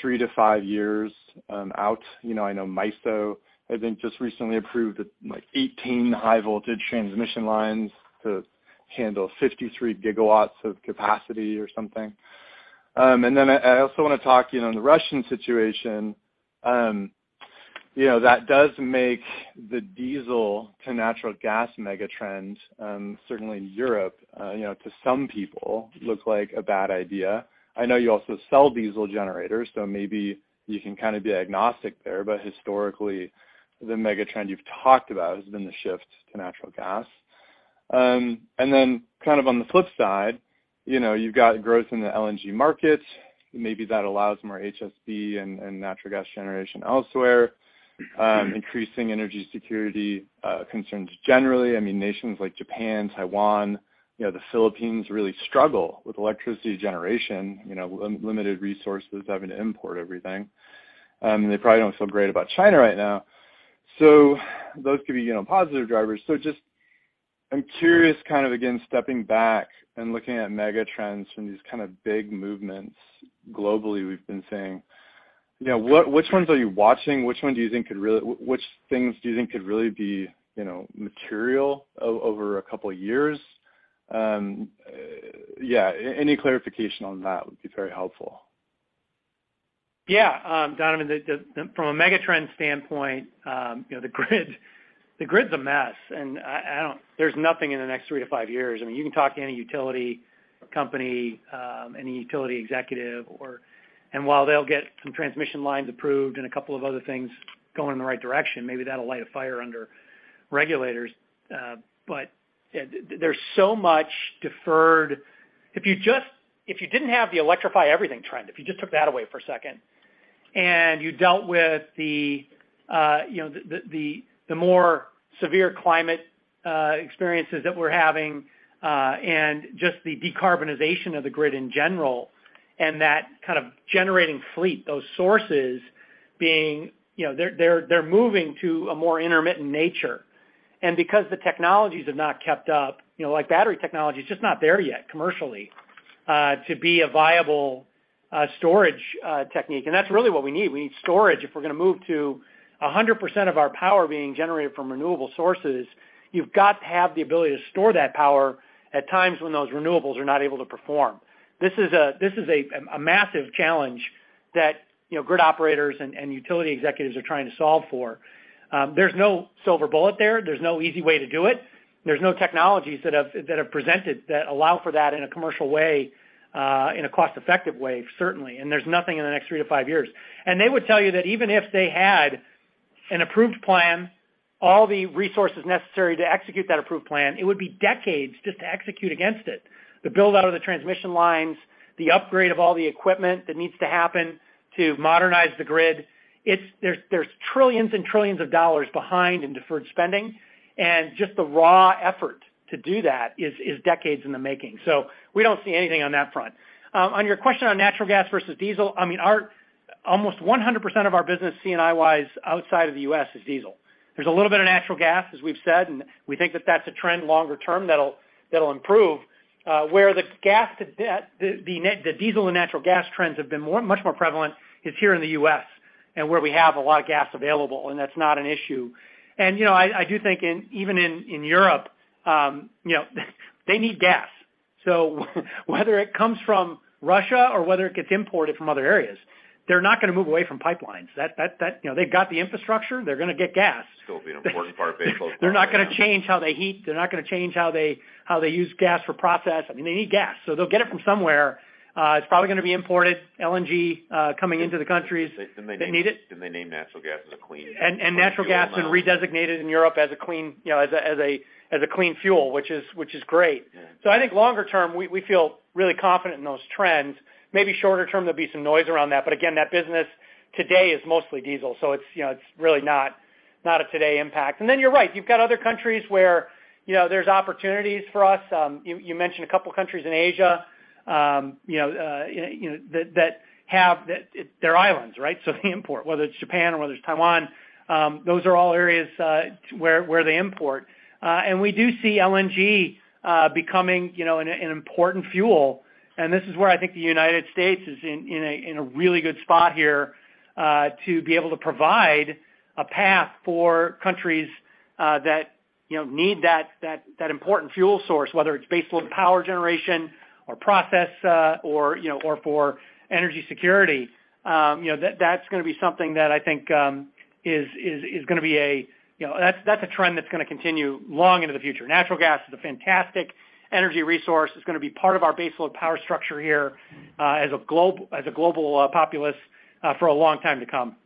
[SPEAKER 15] three to five years out. You know, I know MISO, I think just recently approved, like, 18 high voltage transmission lines to handle 53 GW of capacity or something. Then I also wanna talk, you know, on the Russian situation, you know, that does make the diesel to natural gas mega trend, certainly in Europe, you know, to some people look like a bad idea. I know you also sell diesel generators, so maybe you can kinda be agnostic there. Historically, the mega trend you've talked about has been the shift to natural gas. Kind of on the flip side, you know, you've got growth in the LNG market. Maybe that allows more HSB and natural gas generation elsewhere, increasing energy security concerns generally. I mean, nations like Japan, Taiwan, you know, the Philippines really struggle with electricity generation, limited resources having to import everything. They probably don't feel great about China right now. Those could be, you know, positive drivers. Just I'm curious kind of again, stepping back and looking at mega trends from these kind of big movements globally we've been seeing, you know, which ones are you watching? Which things do you think could really be, you know, material over a couple years? Yeah, any clarification on that would be very helpful.
[SPEAKER 3] Yeah, Donovan, from a mega trend standpoint, you know, the grid's a mess, and I don't. There's nothing in the next three to five years. I mean, you can talk to any utility company, any utility executive or while they'll get some transmission lines approved and a couple of other things going in the right direction, maybe that'll light a fire under regulators. But there's so much deferred. If you didn't have the electrify everything trend, if you just took that away for a second, and you dealt with you know, the more severe climate experiences that we're having, and just the decarbonization of the grid in general and that kind of generating fleet, those sources being, you know, they're moving to a more intermittent nature. Because the technologies have not kept up, you know, like battery technology is just not there yet commercially, to be a viable storage technique. That's really what we need. We need storage. If we're gonna move to 100% of our power being generated from renewable sources, you've got to have the ability to store that power at times when those renewables are not able to perform. This is a massive challenge that, you know, grid operators and utility executives are trying to solve for. There's no silver bullet there. There's no easy way to do it. There's no technologies that have presented that allow for that in a commercial way, in a cost-effective way, certainly. There's nothing in the next three to five years. They would tell you that even if they had an approved plan, all the resources necessary to execute that approved plan, it would be decades just to execute against it. The build-out of the transmission lines, the upgrade of all the equipment that needs to happen to modernize the grid. There's trillions and trillions of dollars behind in deferred spending, and just the raw effort to do that is decades in the making. We don't see anything on that front. On your question on natural gas versus diesel, I mean, our almost 100% of our business, C&I wise, outside of the U.S. is diesel. There's a little bit of natural gas, as we've said, and we think that that's a trend longer term that'll improve. where the diesel and natural gas trends have been much more prevalent is here in the U.S. and where we have a lot of gas available, and that's not an issue. You know, I do think even in Europe, you know, they need gas. Whether it comes from Russia or whether it gets imported from other areas, they're not gonna move away from pipelines. You know, they've got the infrastructure, they're gonna get gas.
[SPEAKER 4] Still be an important part of base load.
[SPEAKER 3] They're not gonna change how they heat. They're not gonna change how they use gas for process. I mean, they need gas, so they'll get it from somewhere. It's probably gonna be imported, LNG, coming into the countries.
[SPEAKER 4] And they-
[SPEAKER 3] They need it.
[SPEAKER 4] They name natural gas as a clean
[SPEAKER 3] Natural gas been redesignated in Europe as a clean, you know, as a clean fuel, which is great.
[SPEAKER 4] Yeah.
[SPEAKER 3] I think longer term, we feel really confident in those trends. Maybe shorter term, there'll be some noise around that, but again, that business today is mostly diesel, so it's, you know, really not a today impact. You're right. You've got other countries where, you know, there's opportunities for us. You mentioned a couple countries in Asia, you know, that they're islands, right? They import, whether it's Japan or whether it's Taiwan, those are all areas where they import. We do see LNG becoming, you know, an important fuel. This is where I think the United States is in a really good spot here to be able to provide a path for countries that, you know, need that important fuel source, whether it's baseload power generation or process, or, you know, or for energy security. You know, that's gonna be something that I think is gonna be a trend that's gonna continue long into the future. Natural gas is a fantastic energy resource. It's gonna be part of our baseload power structure here as a global populace for a long time to come.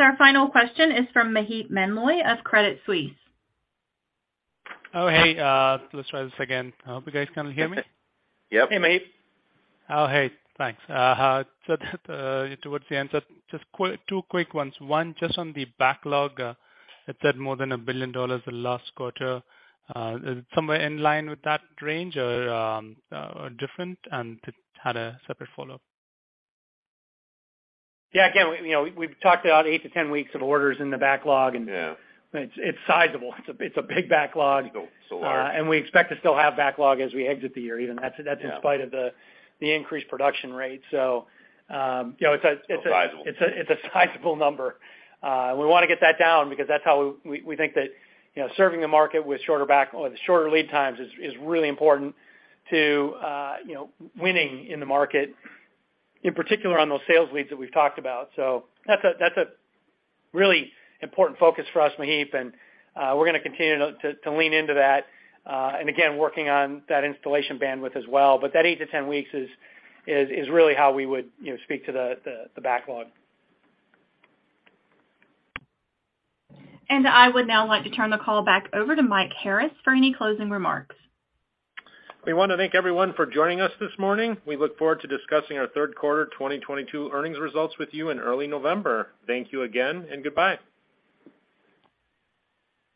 [SPEAKER 1] Our final question is from Maheep Mandloi of Credit Suisse.
[SPEAKER 16] Oh, hey, let's try this again. I hope you guys can hear me.
[SPEAKER 4] Yep.
[SPEAKER 3] Hey, Maheep.
[SPEAKER 16] Oh, hey, thanks. So, towards the end, just quick, two quick ones. One, just on the backlog. It said more than $1 billion the last quarter. Somewhere in line with that range or different? Had a separate follow-up.
[SPEAKER 3] Yeah. Again, you know, we've talked about eight to 10 weeks of orders in the backlog and it's sizable. It's a big backlog.
[SPEAKER 4] Still large.
[SPEAKER 3] We expect to still have backlog as we exit the year even. That's in spite of the increased production rate. You know, it's a.
[SPEAKER 4] Still sizable.
[SPEAKER 3] It's a sizable number. We wanna get that down because that's how we think that, you know, serving the market with shorter backlog or shorter lead times is really important to, you know, winning in the market. In particular, on those sales leads that we've talked about. That's a really important focus for us, Maheep, and we're gonna continue to lean into that, and again, working on that installation bandwidth as well. But that 8-10 weeks is really how we would, you know, speak to the backlog.
[SPEAKER 1] I would now like to turn the call back over to Mike Harris for any closing remarks.
[SPEAKER 2] We want to thank everyone for joining us this morning. We look forward to discussing our third quarter 2022 earnings results with you in early November. Thank you again and goodbye.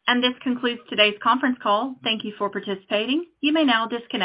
[SPEAKER 1] This concludes today's conference call. Thank you for participating. You may now disconnect.